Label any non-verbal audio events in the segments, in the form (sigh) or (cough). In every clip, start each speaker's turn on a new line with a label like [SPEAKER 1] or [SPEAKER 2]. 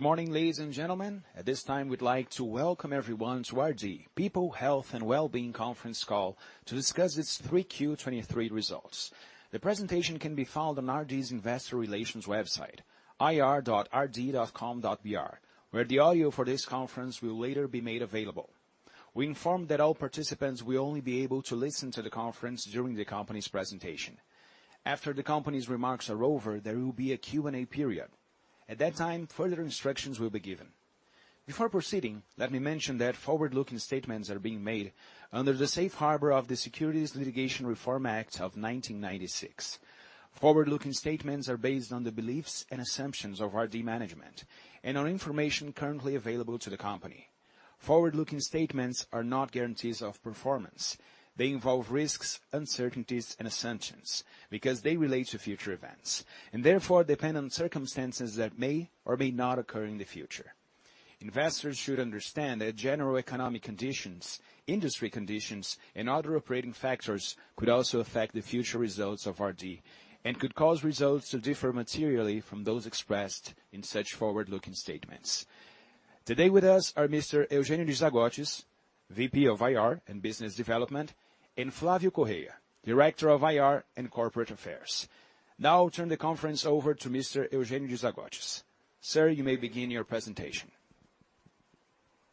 [SPEAKER 1] Good morning, ladies and gentlemen. At this time, we'd like to welcome everyone to RD People, Health and Wellbeing Conference Call to discuss its 3Q 2023 results. The presentation can be found on RD's Investor Relations website, ir.rd.com.br, where the audio for this conference will later be made available. We inform that all participants will only be able to listen to the conference during the company's presentation. After the company's remarks are over, there will be a Q&A period. At that time, further instructions will be given. Before proceeding, let me mention that forward-looking statements are being made under the Safe Harbor of the Securities Litigation Reform Act of 1996. Forward-looking statements are based on the beliefs and assumptions of RD management and on information currently available to the company. Forward-looking statements are not guarantees of performance. They involve risks, uncertainties, and assumptions because they relate to future events, and therefore depend on circumstances that may or may not occur in the future. Investors should understand that general economic conditions, industry conditions, and other operating factors could also affect the future results of RD and could cause results to differ materially from those expressed in such forward-looking statements. Today with us are Mr. Eugênio de Zagottis, VP of IR and Business Development, and Flávio Correia, Director of IR and Corporate Affairs. Now I'll turn the conference over to Mr. Eugênio de Zagottis. Sir, you may begin your presentation.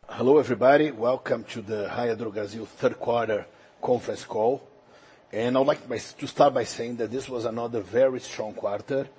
[SPEAKER 2] Hello, everybody. Welcome to the Raia Drogasil third quarter conference call. I'd like to start by saying that this was another very strong quarter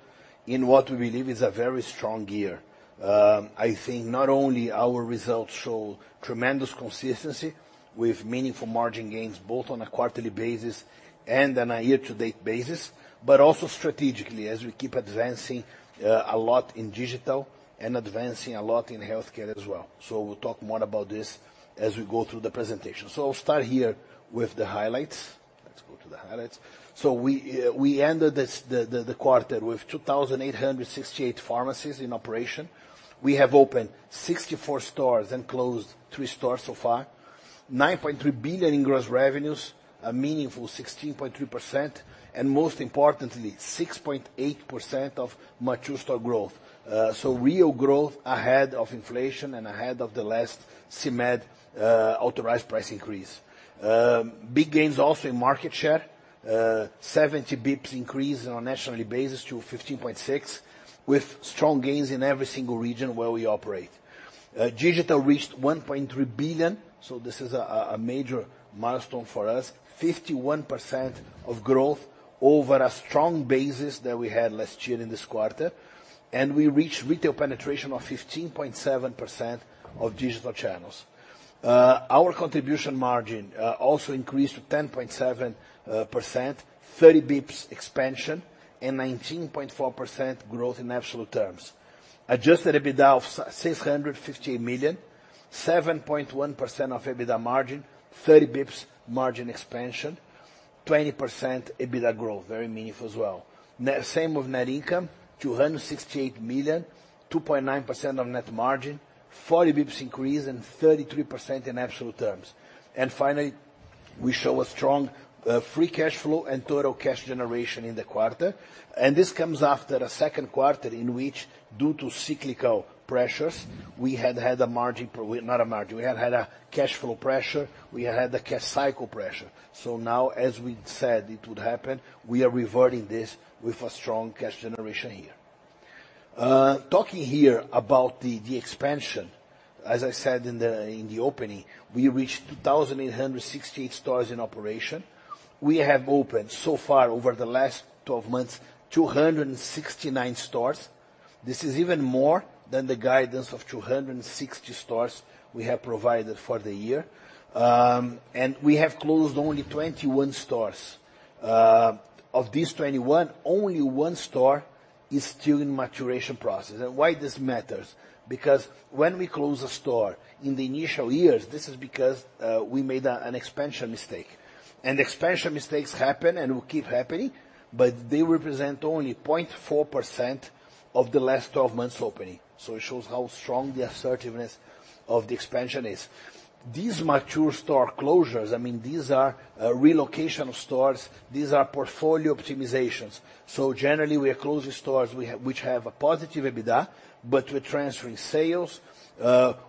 [SPEAKER 2] in what we believe is a very strong year. I think not only our results show tremendous consistency with meaningful margin gains, both on a quarterly basis and on a year-to-date basis, but also strategically as we keep advancing a lot in digital and advancing a lot in healthcare as well. We'll talk more about this as we go through the presentation. I'll start here with the highlights. Let's go to the highlights. We ended the quarter with 2,868 pharmacies in operation. We have opened 64 stores and closed three stores so far. 9.3 billion in gross revenues, a meaningful 16.3%, and most importantly, 6.8% of mature store growth. So real growth ahead of inflation and ahead of the last CMED authorized price increase. Big gains also in market share, 70 basis points increase on a national basis to 15.6%, with strong gains in every single region where we operate. Digital reached 1.3 billion, so this is a major milestone for us. 51% of growth over a strong basis that we had last year in this quarter, and we reached retail penetration of 15.7% of digital channels. Our contribution margin also increased to 10.7%, 30 basis points expansion, and 19.4% growth in absolute terms. Adjusted EBITDA of 658 million, 7.1% EBITDA margin, 30 basis points margin expansion, 20% EBITDA growth, very meaningful as well. Same with net income, 268 million, 2.9% on net margin, 40 basis points increase, and 33% in absolute terms. And finally, we show a strong, free cash flow and total cash generation in the quarter, and this comes after a second quarter in which, due to cyclical pressures, we had had a cash flow pressure, we had had a cash cycle pressure. So now, as we said it would happen, we are reverting this with a strong cash generation here. Talking here about the expansion, as I said in the opening, we reached 2,868 stores in operation. We have opened, so far over the last 12 months, 269 stores. This is even more than the guidance of 260 stores we have provided for the year. And we have closed only 21 stores. Of these 21, only one store is still in maturation process. Why this matters? Because when we close a store in the initial years, this is because we made an expansion mistake. Expansion mistakes happen and will keep happening, but they represent only 0.4% of the last 12 months opening. So it shows how strong the assertiveness of the expansion is. These mature store closures, I mean, these are relocation of stores. These are portfolio optimizations. So generally, we are closing stores we have which have a positive EBITDA, but we're transferring sales,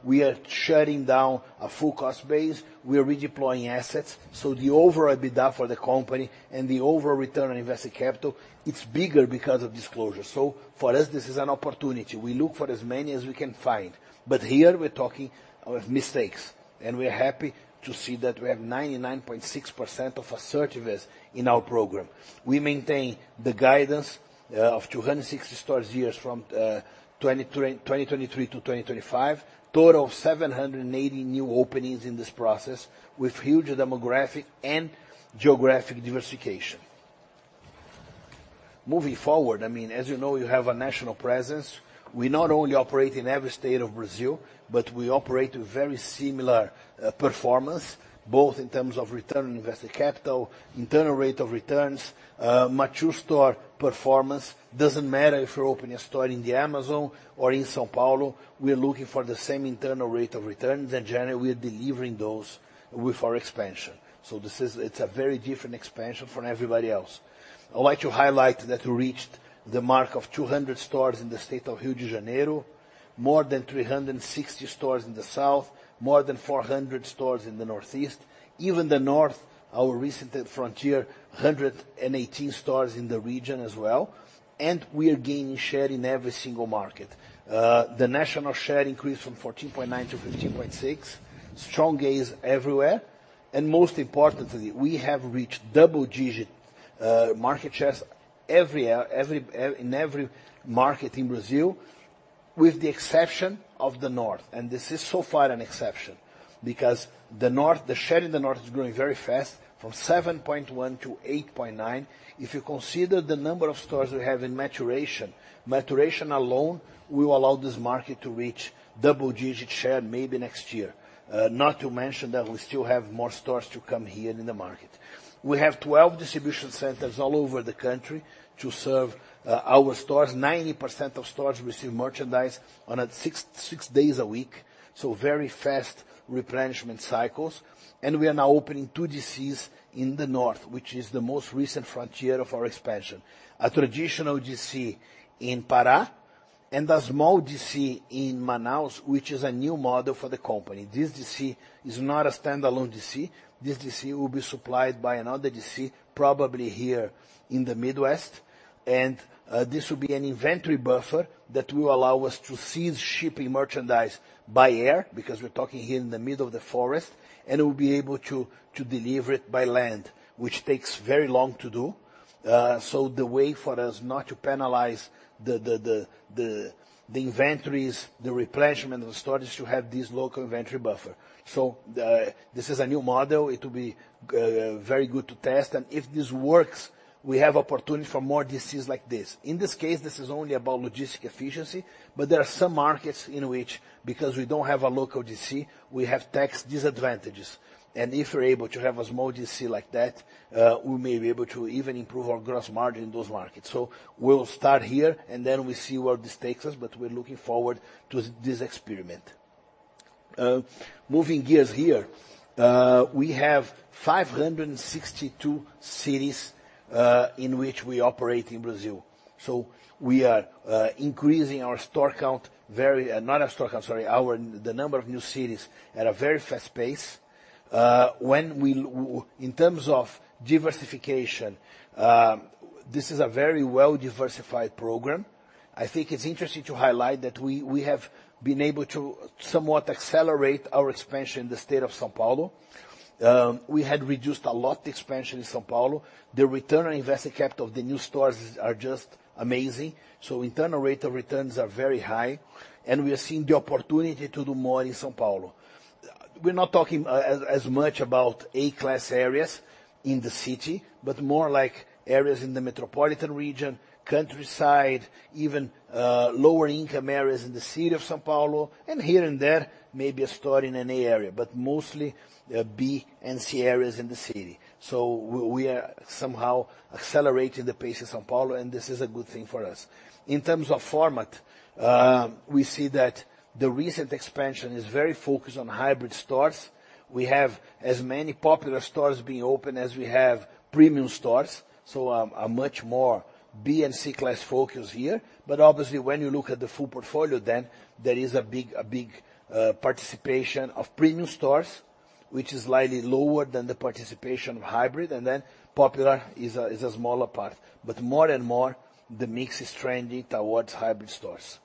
[SPEAKER 2] we are shutting down a full cost base, we are redeploying assets. So the overall EBITDA for the company and the overall return on invested capital, it's bigger because of this closure. So for us, this is an opportunity. We look for as many as we can find. But here we're talking of mistakes, and we're happy to see that we have 99.6% of assertiveness in our program. We maintain the guidance of 260 stores years from 2023 to 2025. Total of 780 new openings in this process, with huge demographic and geographic diversification. Moving forward, I mean, as you know, you have a national presence. We not only operate in every state of Brazil, but we operate with very similar performance, both in terms of return on invested capital, internal rate of returns. Mature store performance, doesn't matter if you're opening a store in the Amazon or in São Paulo, we are looking for the same internal rate of return, and generally, we are delivering those with our expansion. So this is, it's a very different expansion from everybody else. I'd like to highlight that we reached the mark of 200 stores in the state of Rio de Janeiro, more than 360 stores in the south, more than 400 stores in the northeast. Even the north, our recent frontier, 118 stores in the region as well, and we are gaining share in every single market. The national share increased from 14.9% to 15.6%. Strong gains everywhere, and most importantly, we have reached double-digit market shares in every market in Brazil, with the exception of the north, and this is so far an exception. Because the north, the share in the north is growing very fast, from 7.1% to 8.9%. If you consider the number of stores we have in maturation, maturation alone will allow this market to reach double-digit share maybe next year. Not to mention that we still have more stores to come here in the market. We have 12 distribution centers all over the country to serve our stores. 90% of stores receive merchandise six days a week, so very fast replenishment cycles. We are now opening two DCs in the north, which is the most recent frontier of our expansion. A traditional DC in Pará, and a small DC in Manaus, which is a new model for the company. This DC is not a standalone DC. This DC will be supplied by another DC, probably here in the Midwest. This will be an inventory buffer that will allow us to cease shipping merchandise by air, because we're talking here in the middle of the forest, and we'll be able to deliver it by land, which takes very long to do. So the way for us not to penalize the inventories, the replenishment of the stores, is to have this local inventory buffer. So, this is a new model. It will be very good to test, and if this works, we have opportunity for more DCs like this. In this case, this is only about logistic efficiency, but there are some markets in which, because we don't have a local DC, we have tax disadvantages. And if we're able to have a small DC like that, we may be able to even improve our gross margin in those markets. So we'll start here, and then we see where this takes us, but we're looking forward to this experiment. Moving gears here. We have 562 cities in which we operate in Brazil. So we are increasing our store count very, not our store count, sorry, our, the number of new cities at a very fast pace. In terms of diversification, this is a very well-diversified program. I think it's interesting to highlight that we have been able to somewhat accelerate our expansion in the state of São Paulo. We had reduced a lot the expansion in São Paulo. The return on invested capital of the new stores is just amazing, so internal rate of returns are very high, and we are seeing the opportunity to do more in São Paulo. We're not talking as much about A-class areas in the city, but more like areas in the metropolitan region, countryside, even lower income areas in the city of São Paulo, and here and there, maybe a store in an A area, but mostly B and C areas in the city. So we are somehow accelerating the pace in São Paulo, and this is a good thing for us. In terms of format, we see that the recent expansion is very focused on hybrid stores. We have as many popular stores being opened as we have premium stores, so a much more B and C class focus here. But obviously, when you look at the full portfolio, then there is a big participation of premium stores, which is slightly lower than the participation of hybrid, and then popular is a smaller part. But more and more, the mix is trending towards hybrid stores.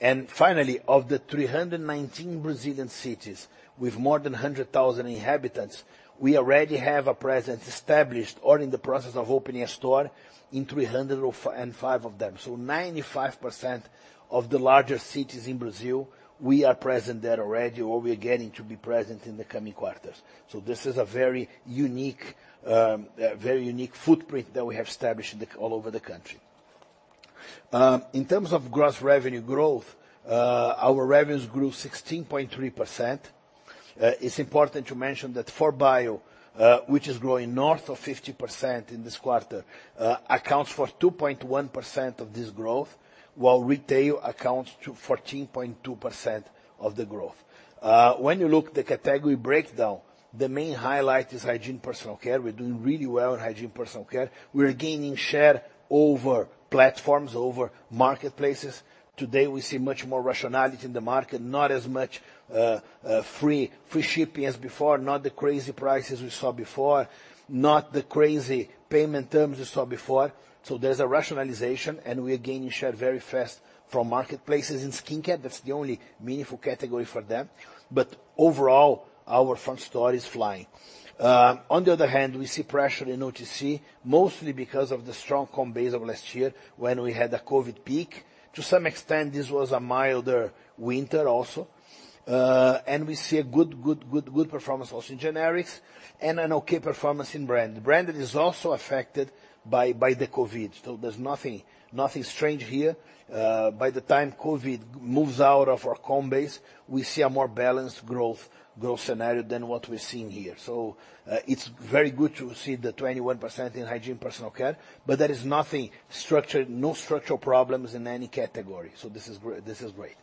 [SPEAKER 2] And finally, of the 319 Brazilian cities with more than 100,000 inhabitants, we already have a presence established or in the process of opening a store in 305 of them. So 95% of the larger cities in Brazil, we are present there already or we are getting to be present in the coming quarters. So this is a very unique, very unique footprint that we have established in the, all over the country. In terms of gross revenue growth, our revenues grew 16.3%. It's important to mention that 4Bio, which is growing north of 50% in this quarter, accounts for 2.1% of this growth, while retail accounts to 14.2% of the growth. When you look at the category breakdown, the main highlight is hygiene personal care. We're doing really well in hygiene personal care. We're gaining share over platforms, over marketplaces. Today, we see much more rationality in the market, not as much free shipping as before, not the crazy prices we saw before, not the crazy payment terms we saw before. So there's a rationalization, and we are gaining share very fast from marketplaces in skincare. That's the only meaningful category for them. But overall, our front store is flying. On the other hand, we see pressure in OTC, mostly because of the strong comp base of last year, when we had a COVID peak. To some extent, this was a milder winter also. And we see a good performance also in generics, and an okay performance in brand. Branded is also affected by the COVID, so there's nothing strange here. By the time COVID moves out of our comp base, we see a more balanced growth, growth scenario than what we're seeing here. So, it's very good to see the 21% in hygiene personal care, but there is nothing structured, no structural problems in any category, so this is great.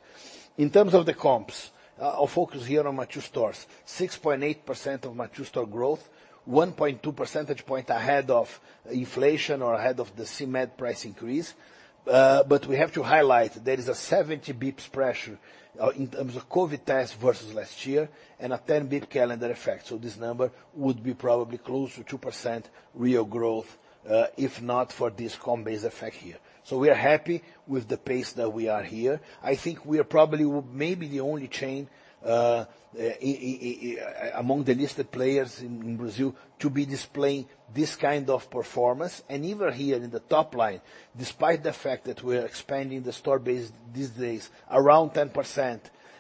[SPEAKER 2] In terms of the comps, I'll focus here on mature stores. 6.8% mature store growth, 1.2 percentage point ahead of inflation or ahead of the CMED price increase. But we have to highlight, there is a 70 basis points pressure in terms of COVID tests versus last year, and a 10 basis points calendar effect. So this number would be probably close to 2% real growth, if not for this comp base effect here. So we are happy with the pace that we are here. I think we are probably maybe the only chain among the listed players in Brazil to be displaying this kind of performance. And even here in the top line, despite the fact that we're expanding the store base these days around 10%,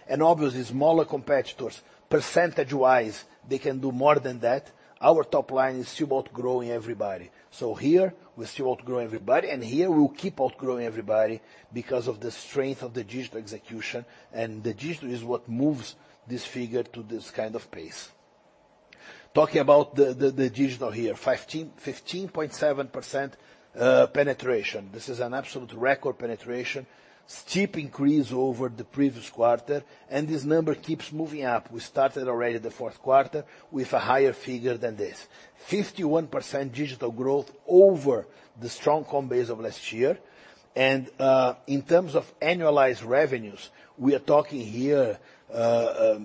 [SPEAKER 2] and obviously smaller competitors, percentage-wise, they can do more than that, our top line is still outgrowing everybody. So here we still outgrow everybody, and here we will keep outgrowing everybody because of the strength of the digital execution, and the digital is what moves this figure to this kind of pace. Talking about the digital here, 15.7% penetration. This is an absolute record penetration. Steep increase over the previous quarter, and this number keeps moving up. We started already the fourth quarter with a higher figure than this. 51% digital growth over the strong comp base of last year. In terms of annualized revenues, we are talking here a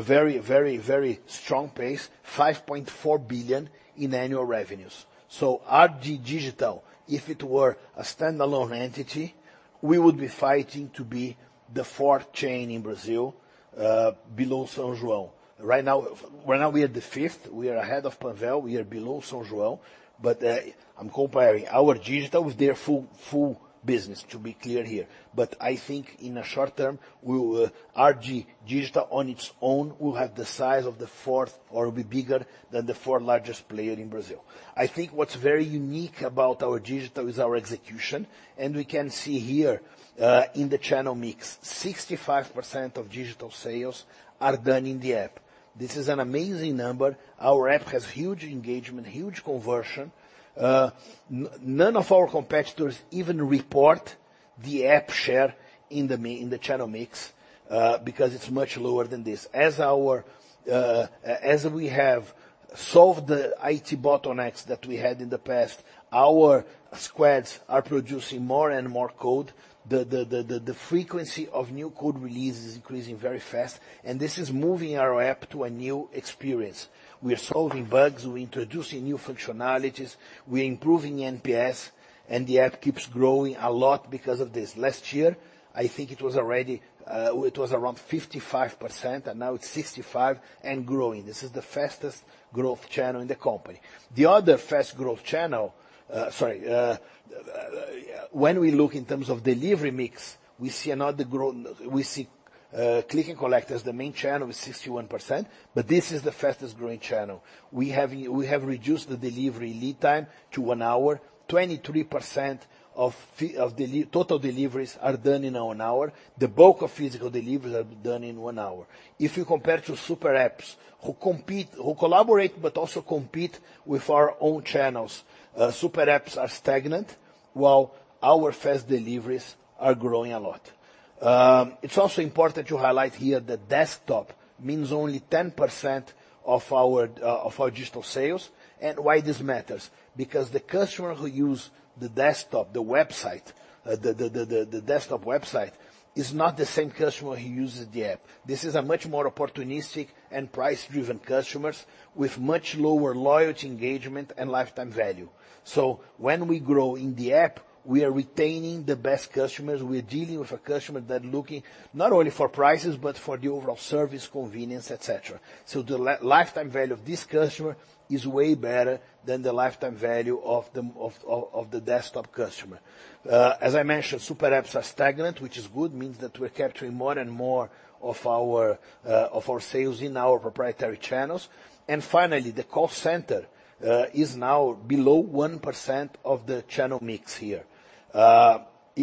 [SPEAKER 2] very, very, very strong pace, 5.4 billion in annual revenues. RD Digital, if it were a standalone entity, we would be fighting to be the fourth chain in Brazil, below São João. Right now, right now we are the fifth. We are ahead of Panvel, we are below São João. I'm comparing our digital with their full, full business, to be clear here. I think in the short term, we will, RD Digital on its own, will have the size of the fourth or be bigger than the fourth largest player in Brazil. I think what's very unique about our digital is our execution, and we can see here in the channel mix, 65% of digital sales are done in the app. This is an amazing number. Our app has huge engagement, huge conversion. None of our competitors even report the app share in the channel mix because it's much lower than this. As we have solved the IT bottlenecks that we had in the past, our squads are producing more and more code. The frequency of new code releases is increasing very fast, and this is moving our app to a new experience. We are solving bugs, we're introducing new functionalities, we're improving NPS, and the app keeps growing a lot because of this. Last year, I think it was already, it was around 55%, and now it's 65% and growing. This is the fastest growth channel in the company. The other fast growth channel. Sorry, when we look in terms of delivery mix, we see Click and Collect as the main channel with 61%, but this is the fastest growing channel. We have reduced the delivery lead time to one hour. 23% of total deliveries are done in one hour. The bulk of physical deliveries are done in one hour. If you compare to super apps, who compete, who collaborate, but also compete with our own channels, super apps are stagnant, while our fast deliveries are growing a lot. It's also important to highlight here that desktop means only 10% of our of our digital sales. And why this matters? Because the customer who use the desktop, the website, the desktop website, is not the same customer who uses the app. This is a much more opportunistic and price-driven customers with much lower loyalty, engagement, and lifetime value. So when we grow in the app, we are retaining the best customers. We're dealing with a customer that looking not only for prices, but for the overall service, convenience, et cetera. So the lifetime value of this customer is way better than the lifetime value of the desktop customer. As I mentioned, super apps are stagnant, which is good. Means that we're capturing more and more of our of our sales in our proprietary channels. Finally, the call center is now below 1% of the channel mix here.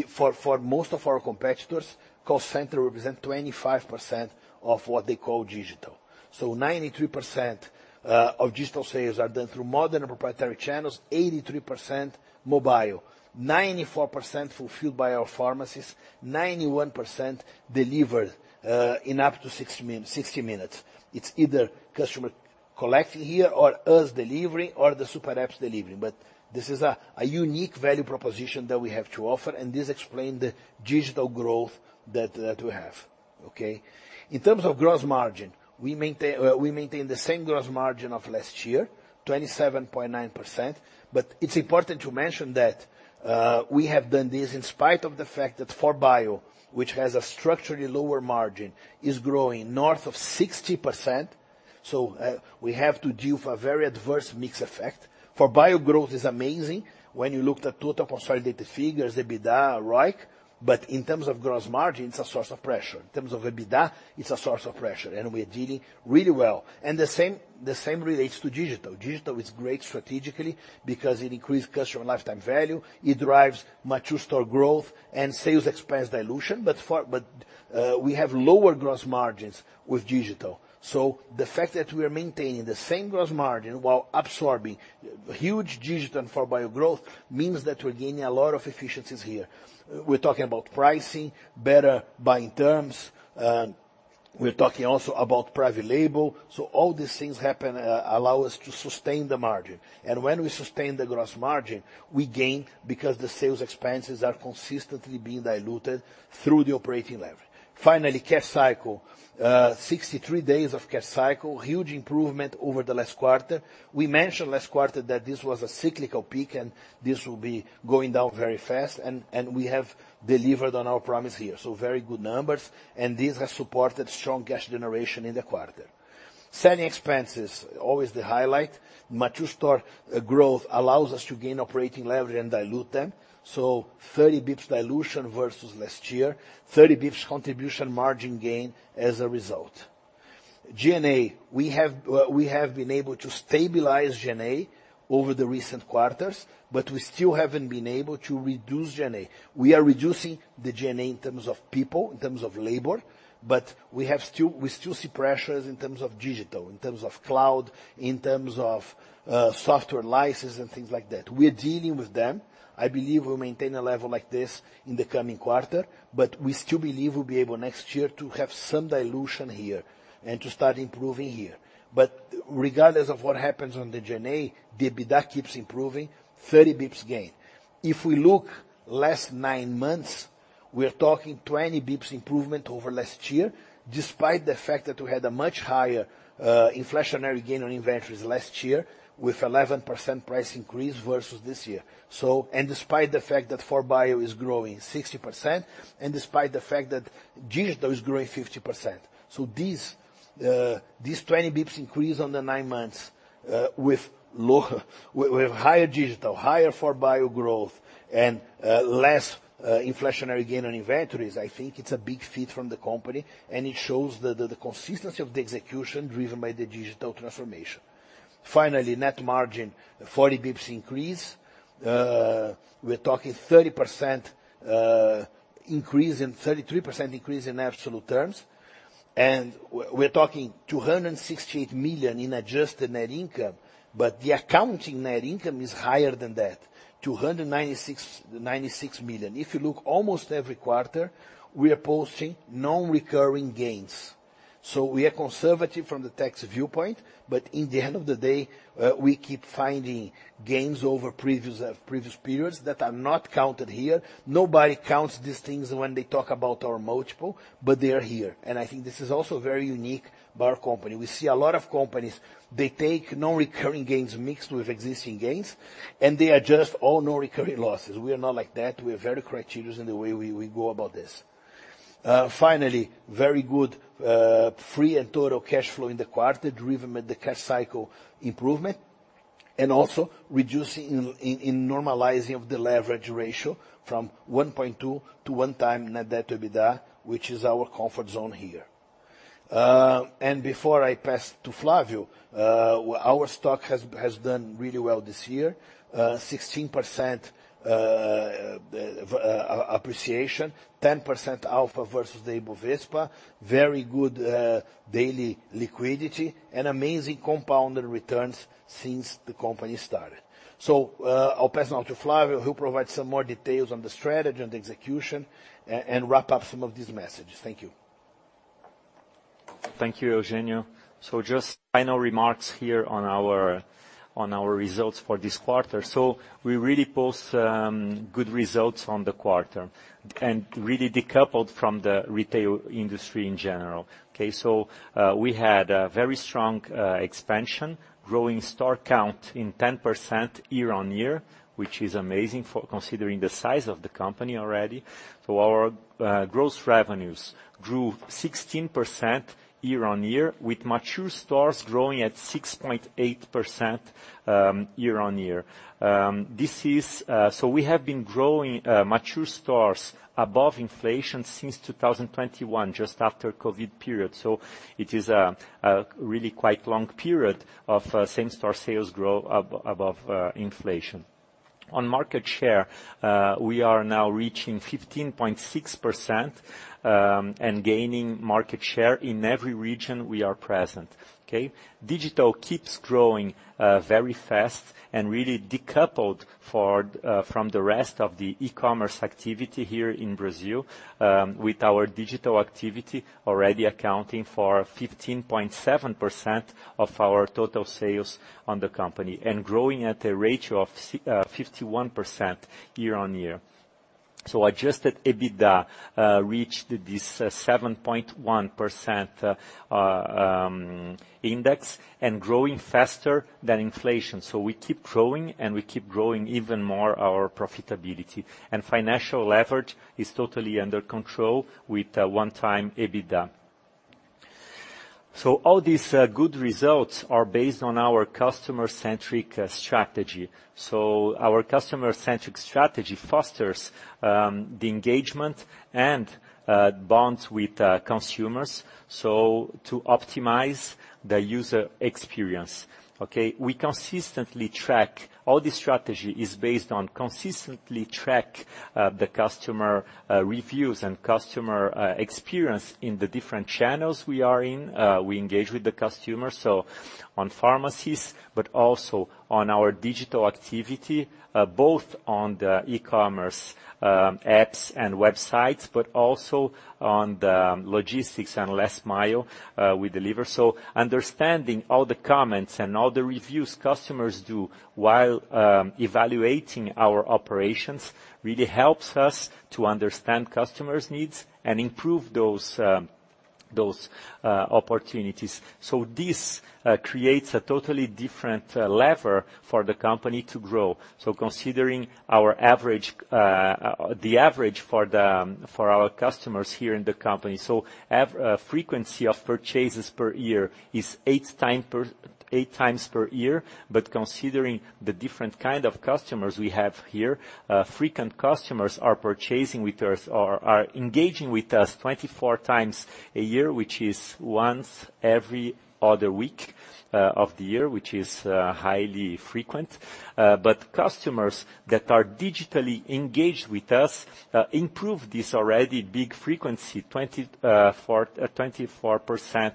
[SPEAKER 2] For most of our competitors, call center represents 25% of what they call digital. So 93% of digital sales are done through modern and proprietary channels, 83% mobile, 94% fulfilled by our pharmacies, 91% delivered in up to 60 minutes. It's either customer collecting here or us delivering or the super apps delivering. But this is a unique value proposition that we have to offer, and this explains the digital growth that we have. Okay? In terms of gross margin, we maintain the same gross margin of last year, 27.9%. But it's important to mention that we have done this in spite of the fact that 4Bio, which has a structurally lower margin, is growing north of 60%. So, we have to deal with a very adverse mix effect. 4Bio growth is amazing when you look at total consolidated figures, EBITDA, ROIC, but in terms of gross margin, it's a source of pressure. In terms of EBITDA, it's a source of pressure, and we are dealing really well. And the same, the same relates to digital. Digital is great strategically because it increases customer lifetime value, it drives mature store growth and sales expense dilution, but we have lower gross margins with digital. So the fact that we are maintaining the same gross margin while absorbing huge digital and 4Bio growth, means that we're gaining a lot of efficiencies here. We're talking about pricing, better buying terms, we're talking also about private label. So all these things happen, allow us to sustain the margin. And when we sustain the gross margin, we gain because the sales expenses are consistently being diluted through the operating leverage. Finally, cash cycle. 63 days of cash cycle, huge improvement over the last quarter. We mentioned last quarter that this was a cyclical peak, and this will be going down very fast, and we have delivered on our promise here. So very good numbers, and these have supported strong cash generation in the quarter. Selling expenses, always the highlight. Mature store growth allows us to gain operating leverage and dilute them. So 30 basis points dilution versus last year, 30 basis points contribution margin gain as a result. G&A, we have been able to stabilize G&A over the recent quarters, but we still haven't been able to reduce G&A. We are reducing the G&A in terms of people, in terms of labor, but we still see pressures in terms of digital, in terms of cloud, in terms of software licenses and things like that. We're dealing with them. I believe we'll maintain a level like this in the coming quarter, but we still believe we'll be able, next year, to have some dilution here and to start improving here. But regardless of what happens on the G&A, the EBITDA keeps improving, 30 basis points gain. If we look last nine months, we're talking 20 basis points improvement over last year, despite the fact that we had a much higher, inflationary gain on inventories last year, with 11% price increase versus this year. So and despite the fact that 4Bio is growing 60%, and despite the fact that digital is growing 50%. So this, this 20 basis points increase on the nine months, with higher digital, higher 4Bio growth, and less inflationary gain on inventories, I think it's a big feat from the company, and it shows the consistency of the execution driven by the digital transformation. Finally, net margin, 40 basis points increase. We're talking 30% increase in, 33% increase in absolute terms. We're talking 268 million in adjusted net income, but the accounting net income is higher than that, 296 million. If you look, almost every quarter, we are posting non-recurring gains. So we are conservative from the tax viewpoint, but at the end of the day, we keep finding gains over previous periods that are not counted here. Nobody counts these things when they talk about our multiple, but they are here. And I think this is also very unique about our company. We see a lot of companies, they take non-recurring gains mixed with existing gains, and they adjust all non-recurring losses. We are not like that. We are very meticulous in the way we go about this. Finally, very good free and total cash flow in the quarter, driven by the cash cycle improvement, and also reducing and normalizing of the leverage ratio from 1.2x to 1x net debt to EBITDA, which is our comfort zone here. And before I pass to Flávio, our stock has done really well this year. 16% appreciation, 10% alpha versus the Ibovespa, very good daily liquidity, and amazing compounded returns since the company started. I'll pass now to Flávio, who'll provide some more details on the strategy and execution, and wrap up some of these messages. Thank you.
[SPEAKER 3] Thank you, Eugênio. So just final remarks here on our, on our results for this quarter. So we really post good results on the quarter, and really decoupled from the retail industry in general, okay? So we had a very strong expansion, growing store count in 10% year-on-year, which is amazing for considering the size of the company already. So our gross revenues grew 16% year-on-year, with mature stores growing at 6.8% year-on-year. This is so we have been growing mature stores above inflation since 2021, just after COVID period. So it is a really quite long period of same-store sales growth above inflation. On market share, we are now reaching 15.6%, and gaining market share in every region we are present, okay? Digital keeps growing very fast and really decoupled for from the rest of the e-commerce activity here in Brazil, with our digital activity already accounting for 15.7% of our total sales on the company, and growing at a rate of 51% year-on-year. So adjusted EBITDA reached this 7.1% index and growing faster than inflation. So we keep growing, and we keep growing even more our profitability. And financial leverage is totally under control with one-time EBITDA. So all these good results are based on our customer-centric strategy. So our customer-centric strategy fosters the engagement and bonds with consumers, so to optimize the user experience, okay? All this strategy is based on consistently track the customer reviews and customer experience in the different channels we are in. We engage with the customer, so on pharmacies, but also on our digital activity, both on the e-commerce apps and websites, but also on the logistics and last mile we deliver. So understanding all the comments and all the reviews customers do while evaluating our operations, really helps us to understand customers' needs and improve those opportunities. So this creates a totally different lever for the company to grow. So considering our average, the average for our customers here in the company. So frequency of purchases per year is eight times per year. But considering the different kind of customers we have here, frequent customers are purchasing with us, or are engaging with us 24 times a year, which is once every other week, of the year, which is highly frequent. But customers that are digitally engaged with us improve this already big frequency 24%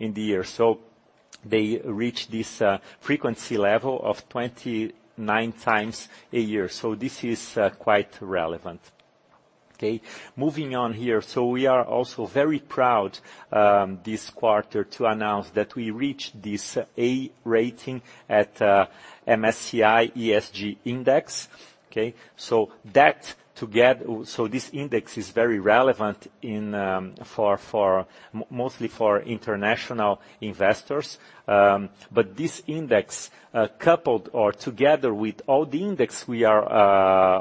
[SPEAKER 3] in the year. So they reach this frequency level of 29 times a year. So this is quite relevant. Okay, moving on here. So we are also very proud this quarter to announce that we reached this A rating at MSCI ESG Index. Okay, so that together. So this index is very relevant in for mostly for international investors. But this index, coupled or together with all the index, we are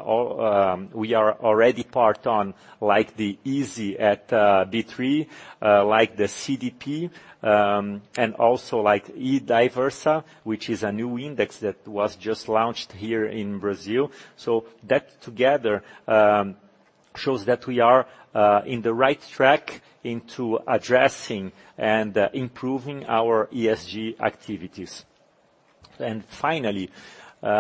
[SPEAKER 3] already part of, like, the ISE at B3, like the CDP, and also like IDIVERSA, which is a new index that was just launched here in Brazil. So that together shows that we are in the right track into addressing and improving our ESG activities. And finally,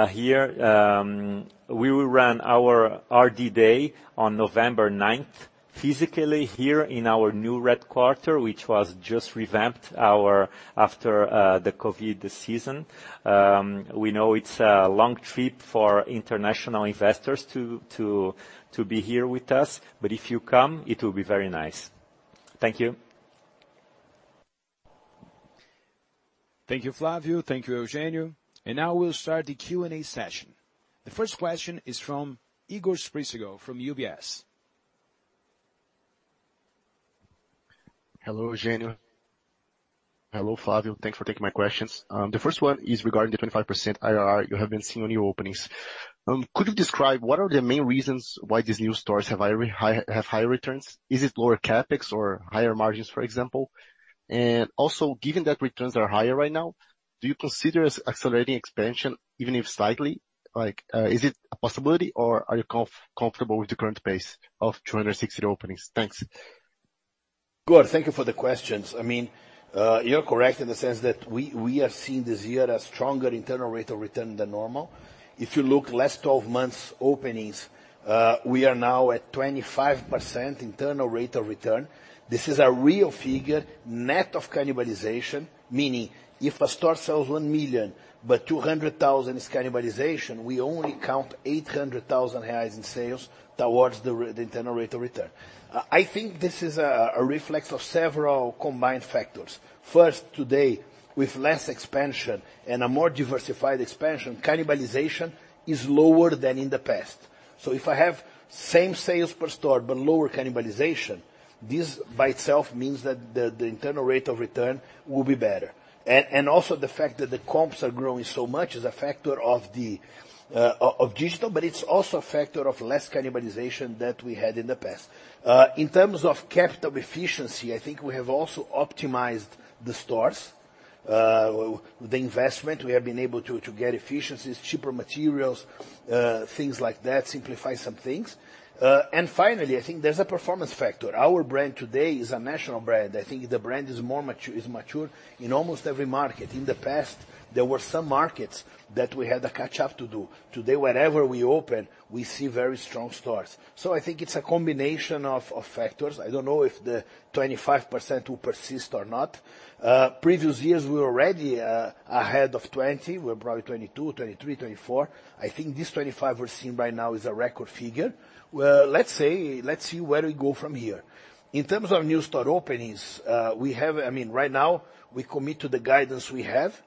[SPEAKER 3] here, we will run our RD Day on November 9th, physically here in our new headquarters, which was just revamped after the COVID season. We know it's a long trip for international investors to be here with us, but if you come, it will be very nice. Thank you.
[SPEAKER 1] Thank you, Flávio. Thank you, Eugênio. Now we'll start the Q&A session. The first question is from Igor Spricigo, from UBS.
[SPEAKER 4] Hello, Eugênio. Hello, Flávio. Thanks for taking my questions. The first one is regarding the 25% IRR you have been seeing on your openings. Could you describe what are the main reasons why these new stores have higher returns? Is it lower CapEx or higher margins, for example? And also, given that returns are higher right now, do you consider as accelerating expansion, even if slightly? Like, is it a possibility, or are you comfortable with the current pace of 260 openings? Thanks.
[SPEAKER 2] Good. Thank you for the questions. I mean, you're correct in the sense that we are seeing this year a stronger internal rate of return than normal. If you look last 12 months openings, we are now at 25% internal rate of return. This is a real figure, net of cannibalization, meaning if a store sells 1 million, but 200,000 is cannibalization, we only count 800,000 reais in sales towards the internal rate of return. I think this is a reflex of several combined factors. First, today, with less expansion and a more diversified expansion, cannibalization is lower than in the past. So if I have same sales per store, but lower cannibalization, this by itself means that the internal rate of return will be better. Also, the fact that the comps are growing so much is a factor of the digital, but it's also a factor of less cannibalization than we had in the past. In terms of capital efficiency, I think we have also optimized the stores, the investment. We have been able to, to get efficiencies, cheaper materials, things like that, simplify some things. And finally, I think there's a performance factor. Our brand today is a national brand. I think the brand is more mature, is mature in almost every market. In the past, there were some markets that we had a catch-up to do. Today, wherever we open, we see very strong stores. So I think it's a combination of, of factors. I don't know if the 25% will persist or not. Previous years, we were already, ahead of 20%. We're probably 22%, 23%, 24%. I think this 25% we're seeing right now is a record figure. Well, let's say, let's see where we go from here. In terms of new store openings, we have, I mean, right now, we commit to the guidance we have.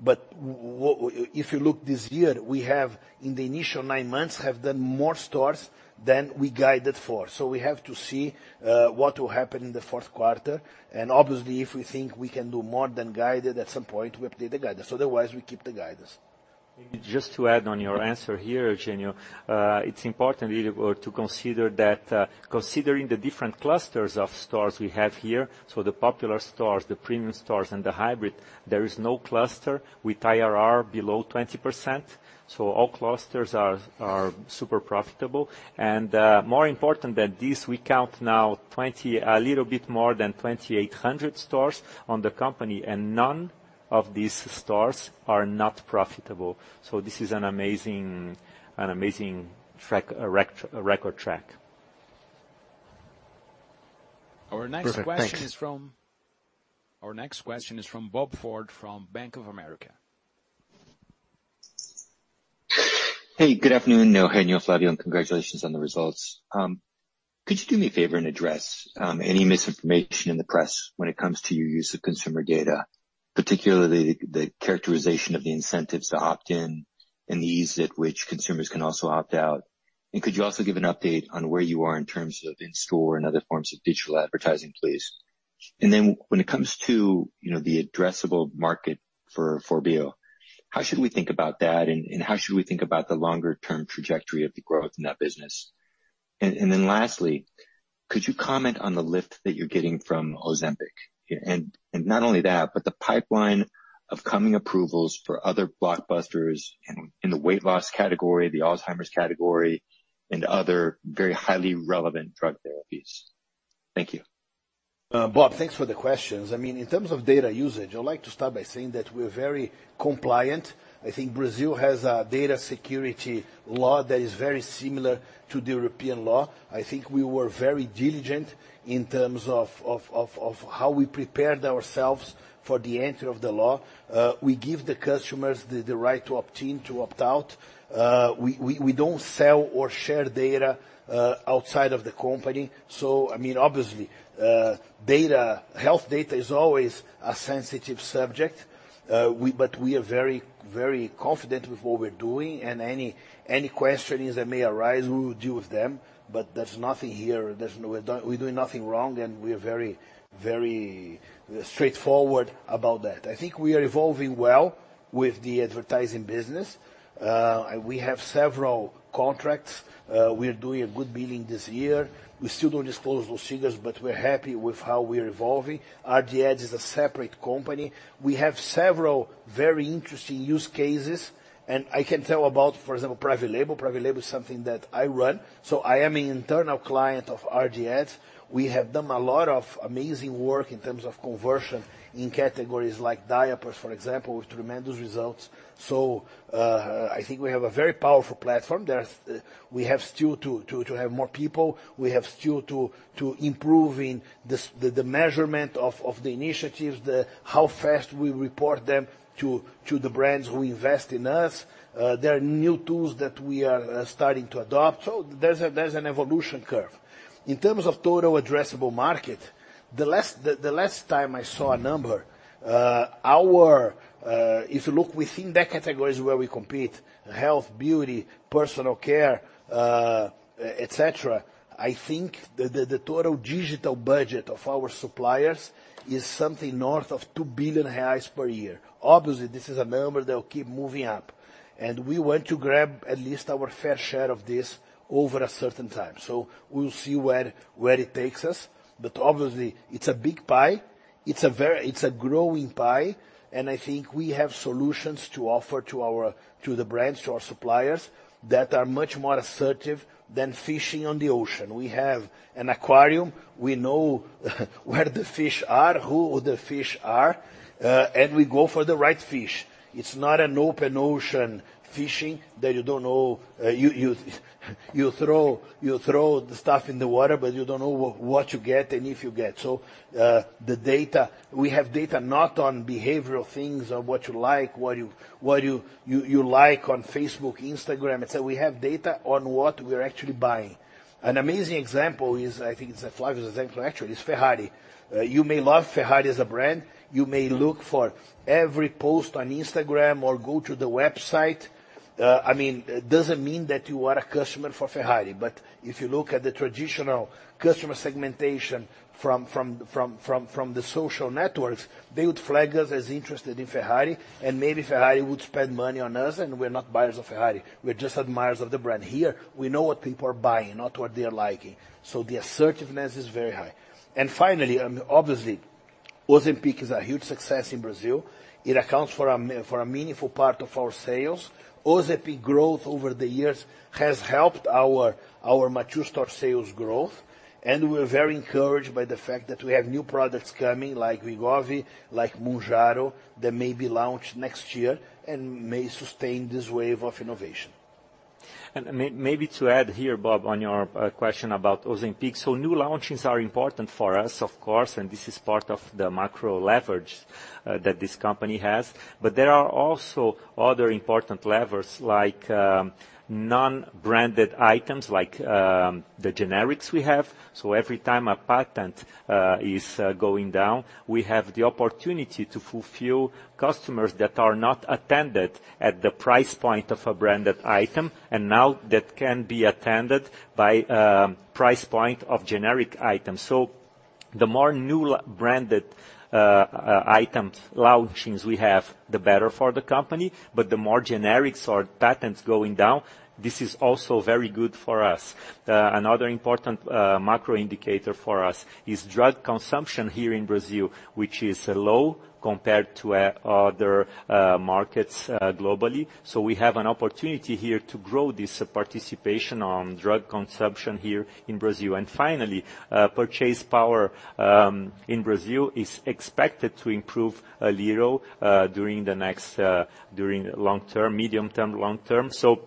[SPEAKER 2] But what, if you look this year, we have, in the initial nine months, have done more stores than we guided for. So we have to see what will happen in the fourth quarter. And obviously, if we think we can do more than guided, at some point, we update the guidance. Otherwise, we keep the guidance.
[SPEAKER 3] Just to add on your answer here, Eugênio, it's important really to consider that, considering the different clusters of stores we have here, so the popular stores, the premium stores, and the hybrid, there is no cluster with IRR below 20%. So all clusters are super profitable. And, more important than this, we count now a little bit more than 2,800 stores on the company, and none of these stores are not profitable. So this is an amazing, an amazing track record.
[SPEAKER 1] Our next question is from.
[SPEAKER 4] Perfect. Thank you.
[SPEAKER 1] Our next question is from Bob Ford, from Bank of America.
[SPEAKER 5] Hey, good afternoon, Eugênio, Flávio, and congratulations on the results. Could you do me a favor and address any misinformation in the press when it comes to your use of consumer data, particularly the characterization of the incentives to opt in and the ease at which consumers can also opt out? Could you also give an update on where you are in terms of in-store and other forms of digital advertising, please? Then when it comes to, you know, the addressable market for BO, how should we think about that, and how should we think about the longer-term trajectory of the growth in that business? And then lastly, could you comment on the lift that you're getting from Ozempic? Not only that, but the pipeline of coming approvals for other blockbusters in the weight loss category, the Alzheimer's category, and other very highly relevant drug therapies. Thank you.
[SPEAKER 2] Bob, thanks for the questions. I mean, in terms of data usage, I'd like to start by saying that we're very compliant. I think Brazil has a data security law that is very similar to the European law. I think we were very diligent in terms of how we prepared ourselves for the entry of the law. We give the customers the right to opt in, to opt out. We don't sell or share data outside of the company. So, I mean, obviously, data, health data is always a sensitive subject. But we are very, very confident with what we're doing, and any questionings that may arise, we will deal with them. But there's nothing here, there's no, we're doing nothing wrong, and we are very, very straightforward about that. I think we are evolving well with the advertising business. We have several contracts. We're doing a good billing this year. We still don't disclose those figures, but we're happy with how we are evolving. RD Ads is a separate company. We have several very interesting use cases, and I can tell about, for example, private label. Private label is something that I run, so I am an internal client of RD Ads. We have done a lot of amazing work in terms of conversion in categories like diapers, for example, with tremendous results. So, I think we have a very powerful platform. There's we have still to have more people. We have still to improving the measurement of the initiatives, how fast we report them to the brands who invest in us. There are new tools that we are starting to adopt. So there's an evolution curve. In terms of total addressable market, the last time I saw a number, if you look within the categories where we compete, health, beauty, personal care, et cetera, I think the total digital budget of our suppliers is something north of 2 billion reais per year. Obviously, this is a number that will keep moving up, and we want to grab at least our fair share of this over a certain time. So we'll see where it takes us. But obviously, it's a big pie. It's a very, it's a growing pie, and I think we have solutions to offer to our, to the brands, to our suppliers, that are much more assertive than fishing on the ocean. We have an aquarium. We know where the fish are, who the fish are, and we go for the right fish. It's not an open ocean fishing, that you don't know. You throw the stuff in the water, but you don't know what you get and if you get. So, the data, we have data not on behavioral things, on what you like on Facebook, Instagram, et cetera. We have data on what we are actually buying. An amazing example is, I think it's a Flávio's example actually, is Ferrari. You may love Ferrari as a brand. You may look for every post on Instagram or go to the website. I mean, it doesn't mean that you are a customer for Ferrari. But if you look at the traditional customer segmentation from the social networks, they would flag us as interested in Ferrari, and maybe Ferrari would spend money on us, and we're not buyers of Ferrari. We're just admirers of the brand. Here, we know what people are buying, not what they are liking, so the assertiveness is very high. And finally, obviously, Ozempic is a huge success in Brazil. It accounts for a meaningful part of our sales. Ozempic growth over the years has helped our mature store sales growth, and we're very encouraged by the fact that we have new products coming, like Wegovy, like Mounjaro, that may be launched next year and may sustain this wave of innovation.
[SPEAKER 3] Maybe to add here, Bob, on your question about Ozempic. So new launches are important for us, of course, and this is part of the macro leverage that this company has. But there are also other important levers, like, non-branded items, like, the generics we have. So every time a patent is going down, we have the opportunity to fulfill customers that are not attended at the price point of a branded item, and now that can be attended by price point of generic items. So the more new branded item launchings we have, the better for the company, but the more generics or patents going down, this is also very good for us. Another important macro indicator for us is drug consumption here in Brazil, which is low compared to other markets globally. So we have an opportunity here to grow this participation on drug consumption here in Brazil. And finally, purchase power in Brazil is expected to improve a little during long-term, medium-term, long-term. So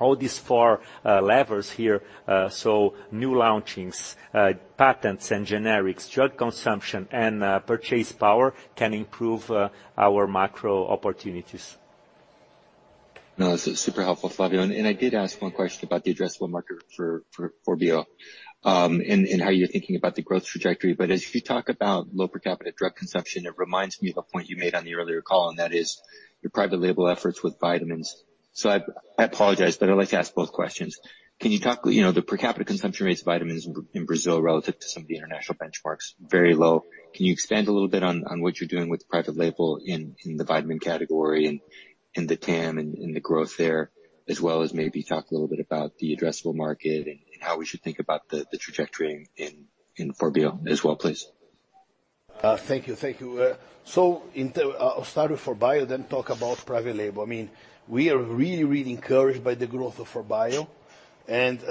[SPEAKER 3] all these four levers here, so new launchings, patents and generics, drug consumption, and purchase power, can improve our macro opportunities.
[SPEAKER 5] No, this is super helpful, Flávio. And I did ask one question about the addressable market for 4Bio, and how you're thinking about the growth trajectory. But as you talk about low per capita drug consumption, it reminds me of a point you made on the earlier call, and that is your private label efforts with vitamins. So I apologize, but I'd like to ask both questions. Can you talk, you know, the per capita consumption rates of vitamins in Brazil, relative to some of the international benchmarks, very low. Can you expand a little bit on what you're doing with private label in the vitamin category and in the TAM and the growth there, as well as maybe talk a little bit about the addressable market and how we should think about the trajectory in 4Bio as well, please?
[SPEAKER 2] Thank you. Thank you. So I'll start with 4Bio, then talk about private label. I mean, we are really, really encouraged by the growth of 4Bio.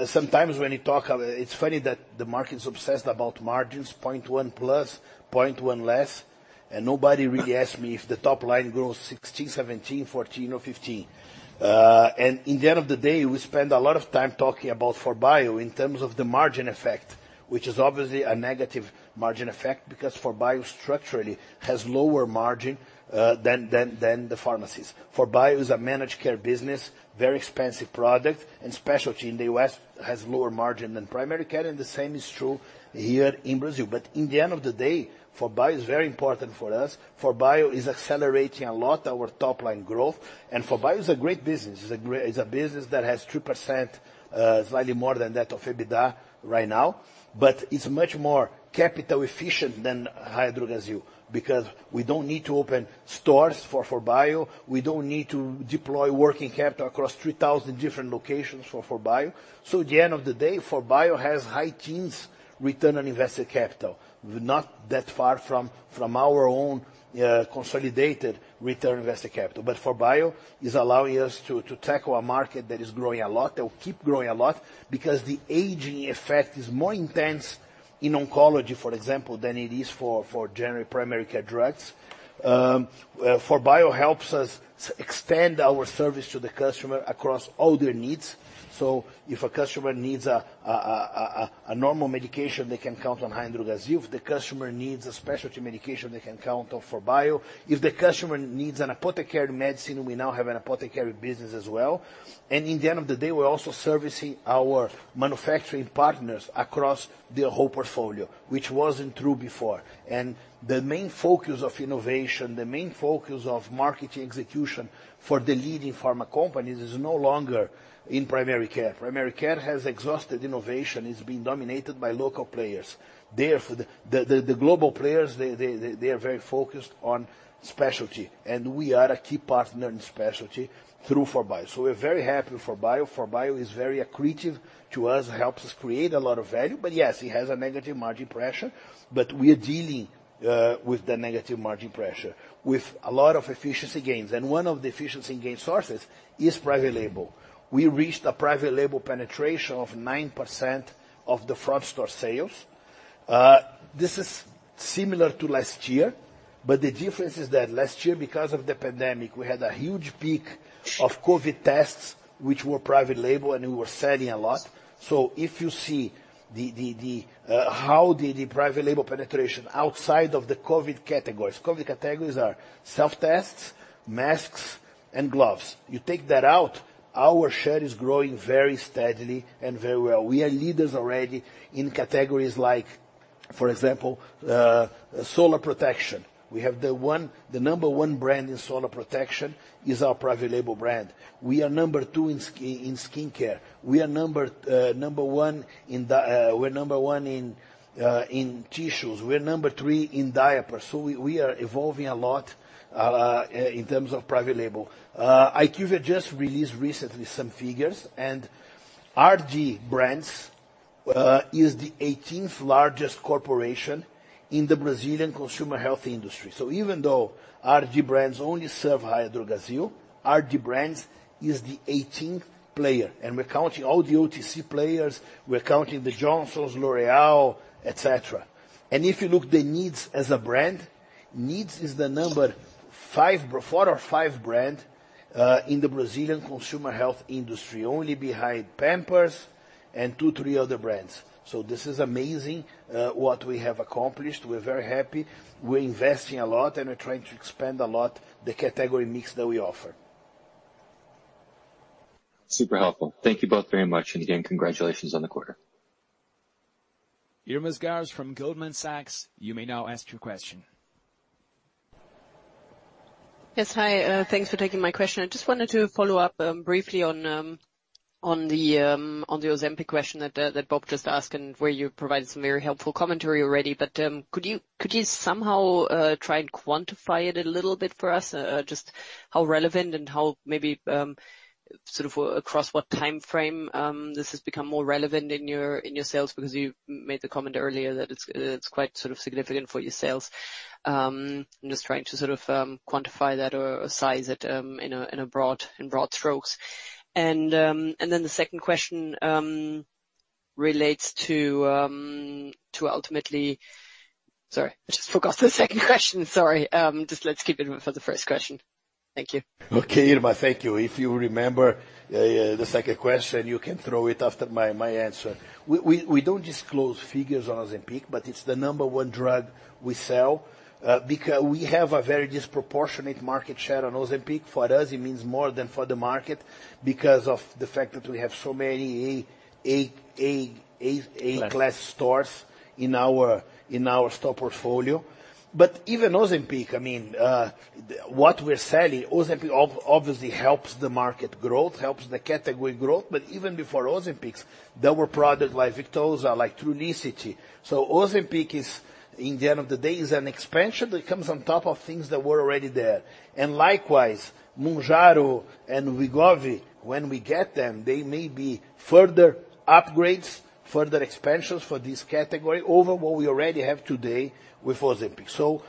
[SPEAKER 2] Sometimes when you talk, it's funny that the market is obsessed about margins, 0.1 plus, 0.1 less, and nobody really asks me if the top line grows 16%, 17%, 14% or 15%. In the end of the day, we spend a lot of time talking about 4Bio in terms of the margin effect, which is obviously a negative margin effect, because 4Bio structurally has lower margin than the pharmacies. 4Bio is a managed care business, very expensive product, and specialty in the U.S. has lower margin than primary care, and the same is true here in Brazil. But in the end of the day, 4Bio is very important for us. 4Bio is accelerating a lot our top line growth, and 4Bio is a great business. It's a great, it's a business that has 3%, slightly more than that, of EBITDA right now, but it's much more capital efficient than Raia Drogasil, because we don't need to open stores for 4Bio. We don't need to deploy working capital across 3,000 different locations for 4Bio. So at the end of the day, 4Bio has high teens return on invested capital, not that far from our own consolidated return on invested capital. But 4Bio is allowing us to tackle a market that is growing a lot, that will keep growing a lot, because the aging effect is more intense in oncology, for example, than it is for general primary care drugs. 4Bio helps us extend our service to the customer across all their needs. So if a customer needs a normal medication, they can count on Raia Drogasil. If the customer needs a specialty medication, they can count on 4Bio. If the customer needs an apothecary medicine, we now have an apothecary business as well. And in the end of the day, we're also servicing our manufacturing partners across their whole portfolio, which wasn't true before. And the main focus of innovation, the main focus of marketing execution for the leading pharma companies, is no longer in primary care. Primary care has exhausted innovation. It's been dominated by local players. Therefore, the global players, they are very focused on specialty, and we are a key partner in specialty through 4Bio. So we're very happy with 4Bio. 4Bio is very accretive to us, helps us create a lot of value. But yes, it has a negative margin pressure, but we are dealing with the negative margin pressure with a lot of efficiency gains. And one of the efficiency gain sources is private label. We reached a private label penetration of 9% of the front store sales. This is similar to last year, but the difference is that last year, because of the pandemic, we had a huge peak of COVID tests, which were private label, and we were selling a lot. So if you see how the private label penetration outside of the COVID categories. COVID categories are self-tests, masks, and gloves. You take that out, our share is growing very steadily and very well. We are leaders already in categories like, for example, solar protection. We have the number one brand in solar protection is our private label brand. We are number two in skincare. We are number one in tissues. We're number three in diapers. So we are evolving a lot in terms of private label. IQVIA just released recently some figures, and RD Brands is the 18th largest corporation in the Brazilian consumer health industry. So even though RD Brands only serve Raia Drogasil, RD Brands is the 18th player, and we're counting all the OTC players, we're counting the Johnsons, L'Oréal, et cetera. And if you look the Needs as a brand, Needs is the number four or five brand in the Brazilian consumer health industry, only behind Pampers and two, three other brands. This is amazing, what we have accomplished. We're very happy. We're investing a lot, and we're trying to expand a lot the category mix that we offer.
[SPEAKER 5] Super helpful. Thank you both very much, and again, congratulations on the quarter.
[SPEAKER 1] Irma Sgarz from Goldman Sachs, you may now ask your question.
[SPEAKER 6] Yes, hi, thanks for taking my question. I just wanted to follow up briefly on the Ozempic question that Bob just asked, and where you provided some very helpful commentary already. But could you somehow try and quantify it a little bit for us? Just how relevant and how maybe sort of across what time frame this has become more relevant in your sales? Because you made the comment earlier that it's quite sort of significant for your sales. I'm just trying to sort of quantify that or size it in broad strokes. And then the second question relates to ultimately. Sorry, I just forgot the second question. Sorry. Just, let's keep it for the first question. Thank you.
[SPEAKER 2] Okay, Irma, thank you. If you remember, the second question, you can throw it after my answer. We don't disclose figures on Ozempic, but it's the number one drug we sell. Because we have a very disproportionate market share on Ozempic. For us, it means more than for the market, because of the fact that we have so many A.
[SPEAKER 3] Right.
[SPEAKER 2] A-class stores in our store portfolio. But even Ozempic, I mean, what we're selling, Ozempic obviously helps the market growth, helps the category growth. But even before Ozempic, there were products like Victoza, like Trulicity. So Ozempic is, in the end of the day, an expansion that comes on top of things that were already there. And likewise, Mounjaro and Wegovy, when we get them, they may be further upgrades, further expansions for this category over what we already have today with Ozempic. So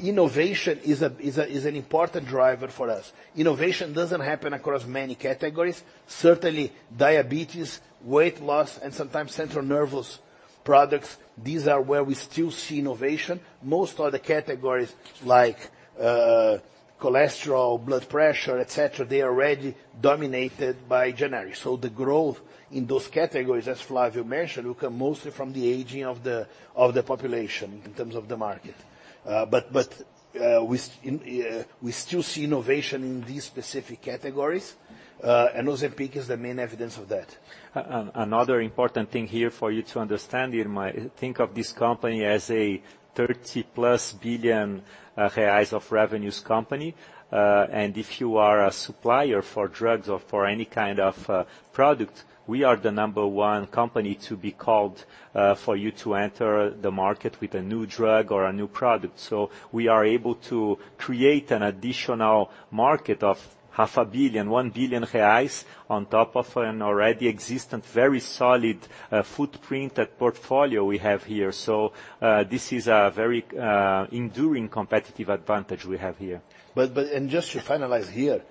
[SPEAKER 2] innovation is an important driver for us. Innovation doesn't happen across many categories. Certainly, diabetes, weight loss, and sometimes central nervous products, these are where we still see innovation. Most other categories, like cholesterol, blood pressure, et cetera, they are already dominated by generics. So the growth in those categories, as Flávio mentioned, will come mostly from the aging of the population in terms of the market. But we still see innovation in these specific categories, and Ozempic is the main evidence of that.
[SPEAKER 3] Another important thing here for you to understand, Irma, think of this company as a 30 billion reais+ of revenues company. And if you are a supplier for drugs or for any kind of product, we are the number one company to be called for you to enter the market with a new drug or a new product. So we are able to create an additional market of 500 million-1 billion reais, on top of an already existent, very solid footprint and portfolio we have here. So this is a very enduring competitive advantage we have here.
[SPEAKER 2] But—and just to finalize here,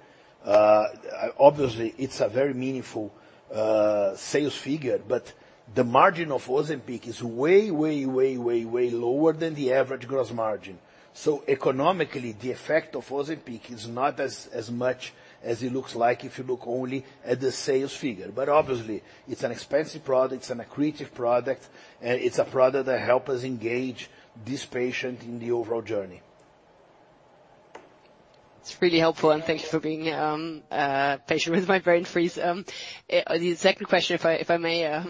[SPEAKER 2] obviously, it's a very meaningful sales figure, but the margin of Ozempic is way, way, way, way, way lower than the average gross margin. So economically, the effect of Ozempic is not as much as it looks like if you look only at the sales figure. But obviously, it's an expensive product, it's an accretive product, it's a product that help us engage this patient in the overall journey.
[SPEAKER 6] It's really helpful, and thank you for being patient with my brain freeze. The second question, if I may,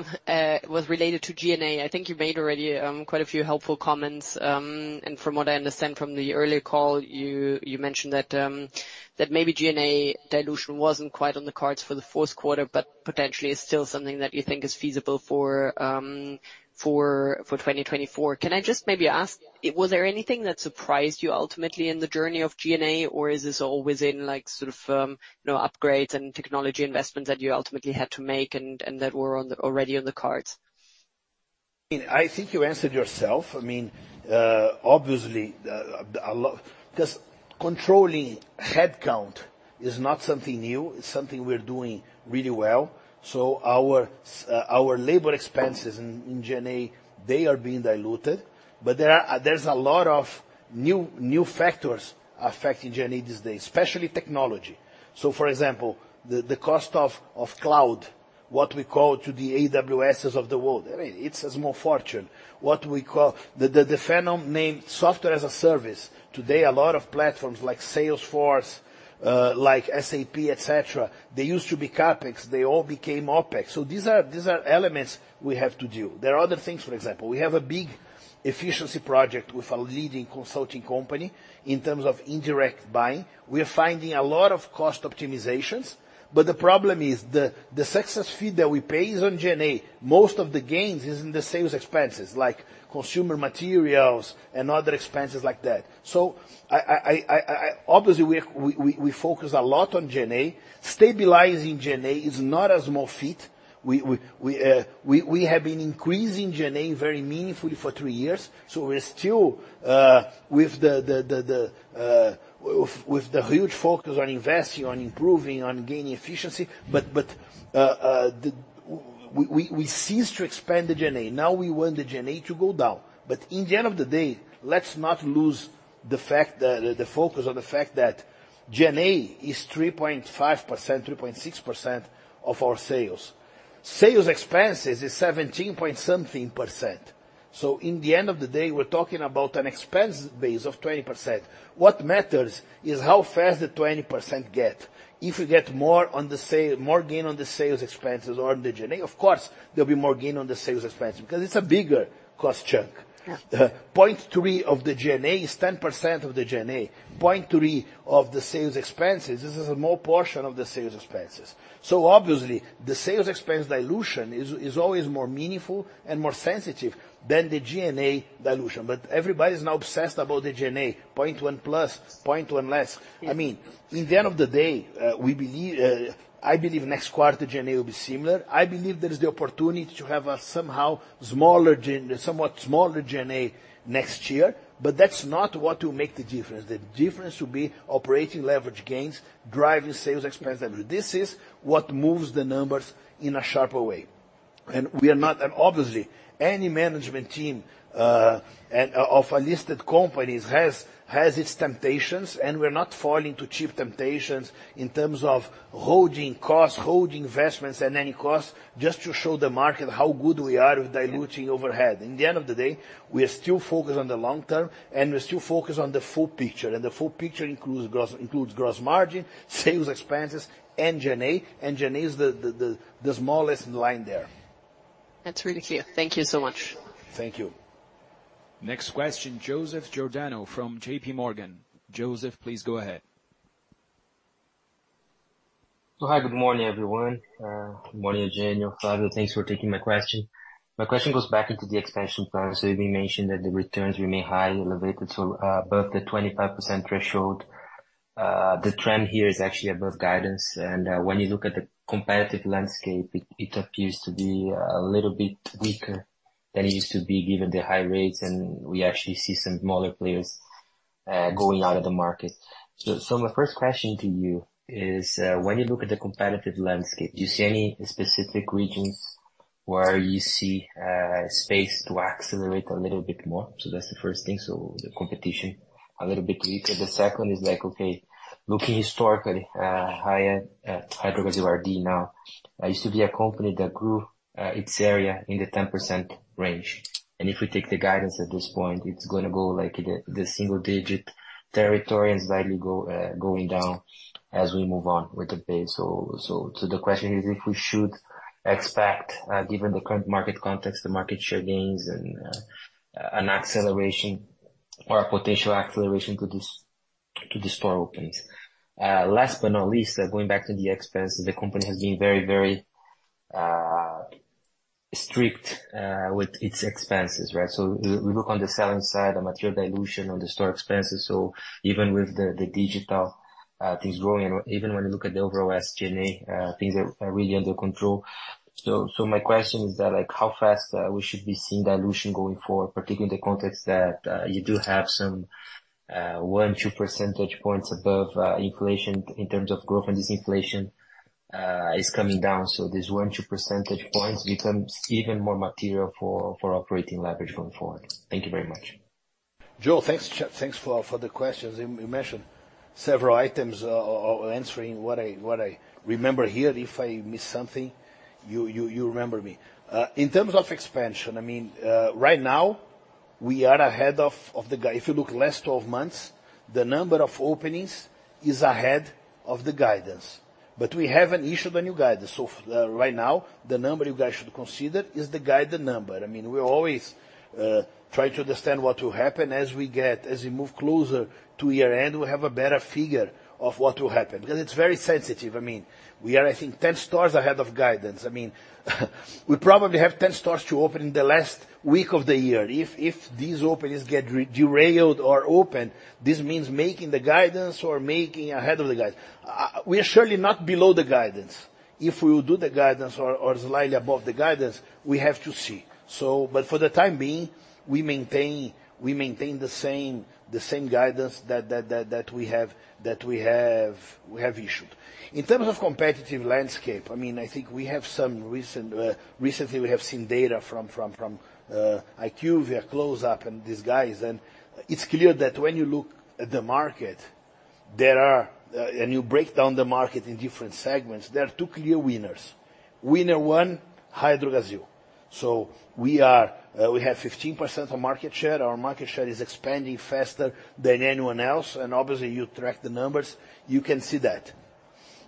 [SPEAKER 6] was related to G&A. I think you made already quite a few helpful comments. And from what I understand from the earlier call, you mentioned that maybe G&A dilution wasn't quite on the cards for the fourth quarter, but potentially is still something that you think is feasible for 2024. Can I just maybe ask, was there anything that surprised you ultimately in the journey of G&A, or is this all within, like, sort of, you know, upgrades and technology investments that you ultimately had to make and that were already on the cards?
[SPEAKER 2] I think you answered yourself. I mean, obviously, a lot, because controlling headcount is not something new, it's something we're doing really well. So our labor expenses in G&A are being diluted, but there is a lot of new factors affecting G&A these days, especially technology. So, for example, the cost of cloud, what we call the AWSs of the world, I mean, it's a small fortune. What we call the phenomenon named Software as a Service. Today, a lot of platforms like Salesforce, like SAP, et cetera, they used to be CapEx, they all became OpEx. So these are elements we have to deal. There are other things, for example, we have a big efficiency project with a leading consulting company in terms of indirect buying. We are finding a lot of cost optimizations, but the problem is the success fee that we pay is on G&A. Most of the gains is in the sales expenses, like consumer materials and other expenses like that. So obviously, we focus a lot on G&A. Stabilizing G&A is not a small feat. We have been increasing G&A very meaningfully for three years, so we're still with the huge focus on investing, on improving, on gaining efficiency. But we cease to expand the G&A. Now we want the G&A to go down, but in the end of the day, let's not lose the fact that the focus on the fact that G&A is 3.5%, 3.6% of our sales. Sales expenses is 17-something%. So in the end of the day, we're talking about an expense base of 20%. What matters is how fast the 20% get. If we get more on the sale, more gain on the sales expenses or on the G&A, of course, there'll be more gain on the sales expense, because it's a bigger cost chunk.
[SPEAKER 6] Yeah.
[SPEAKER 2] 0.3 of the G&A is 10% of the G&A. 0.3 of the sales expenses, this is a small portion of the sales expenses. So obviously, the sales expense dilution is always more meaningful and more sensitive than the G&A dilution. But everybody's now obsessed about the G&A, 0.1 plus, 0.1 less. I mean, in the end of the day, we believe, I believe next quarter G&A will be similar. I believe there is the opportunity to have a somewhat smaller G&A next year, but that's not what will make the difference. The difference will be operating leverage gains, driving sales expense down. This is what moves the numbers in a sharper way. And we are not, obviously, any management team and of unlisted companies has its temptations, and we're not falling to cheap temptations in terms of holding costs, holding investments at any cost, just to show the market how good we are with diluting overhead. In the end of the day, we are still focused on the long term, and we're still focused on the full picture, and the full picture includes gross margin, sales expenses, and G&A. G&A is the smallest line there.
[SPEAKER 6] That's really clear. Thank you so much.
[SPEAKER 2] Thank you.
[SPEAKER 1] Next question, Joseph Giordano from JPMorgan. Joseph, please go ahead.
[SPEAKER 7] So hi, good morning, everyone. Good morning, Eugênio, Flávio. Thanks for taking my question. My question goes back into the expansion plan. So you mentioned that the returns remain high, elevated to above the 25% threshold. The trend here is actually above guidance, and when you look at the competitive landscape, it appears to be a little bit weaker than it used to be, given the high rates, and we actually see some smaller players going out of the market. So my first question to you is, when you look at the competitive landscape, do you see any specific regions where you see space to accelerate a little bit more? So that's the first thing, so the competition a little bit weaker. The second is like, okay, looking historically, higher growth in Brazil, RD now used to be a company that grew its area in the 10% range. And if we take the guidance at this point, it's gonna go, like, the single-digit territory and slowly going down as we move on with the base. So the question is, if we should expect, given the current market context, the market share gains and an acceleration or a potential acceleration to the store openings. Last but not least, going back to the expenses, the company has been very, very strict with its expenses, right? So we look on the selling side, the material dilution on the store expenses. So even with the digital things growing, and even when you look at the overall SG&A, things are really under control. So my question is that, like, how fast we should be seeing dilution going forward, particularly in the context that you do have some 1-2 percentage points above inflation in terms of growth, and this inflation is coming down. So this 1-2 percentage points becomes even more material for operating leverage going forward. Thank you very much.
[SPEAKER 2] Joe, thanks for the questions. I'll answer in what I remember here. If I miss something, you remember me. In terms of expansion, I mean, right now, we are ahead of the guidance. If you look last 12 months, the number of openings is ahead of the guidance. But we haven't issued a new guidance. So right now, the number you guys should consider is the guided number. I mean, we always try to understand what will happen. As we move closer to year-end, we have a better figure of what will happen, because it's very sensitive. I mean, we are, I think, 10 stores ahead of guidance. I mean, we probably have 10 stores to open in the last week of the year. If these openings get delayed or open, this means making the guidance or making ahead of the guidance. We are surely not below the guidance. If we will do the guidance or slightly above the guidance, we have to see. But for the time being, we maintain the same guidance that we have issued. In terms of competitive landscape, I mean, I think we have some recent. Recently, we have seen data from IQVIA, Close-Up, and these guys, and it's clear that when you look at the market and you break down the market in different segments, there are two clear winners. Winner one, Raia Drogasil. So we have 15% of market share. Our market share is expanding faster than anyone else, and obviously, you track the numbers, you can see that.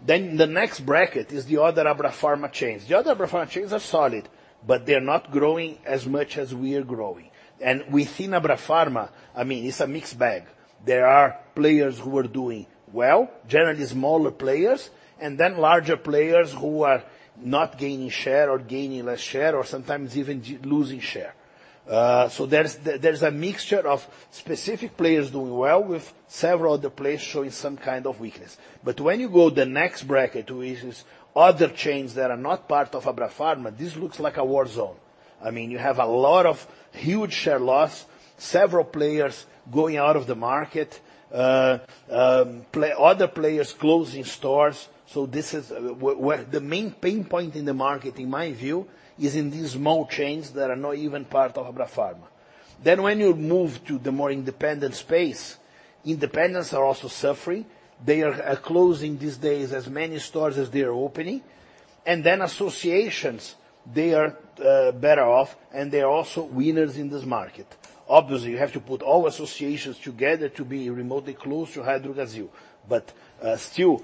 [SPEAKER 2] Then the next bracket is the other Abrafarma chains. The other Abrafarma chains are solid, but they're not growing as much as we are growing. And within Abrafarma, I mean, it's a mixed bag. There are players who are doing well, generally smaller players, and then larger players who are not gaining share or gaining less share or sometimes even losing share. So there's a mixture of specific players doing well, with several other players showing some kind of weakness. But when you go the next bracket, which is other chains that are not part of Abrafarma, this looks like a war zone. I mean, you have a lot of huge share loss, several players going out of the market, other players closing stores. So this is where the main pain point in the market, in my view, is in these small chains that are not even part of Abrafarma. Then when you move to the more independent space, independents are also suffering. They are closing these days as many stores as they are opening. And then associations, they are better off, and they are also winners in this market. Obviously, you have to put all associations together to be remotely close to Raia Drogasil. But still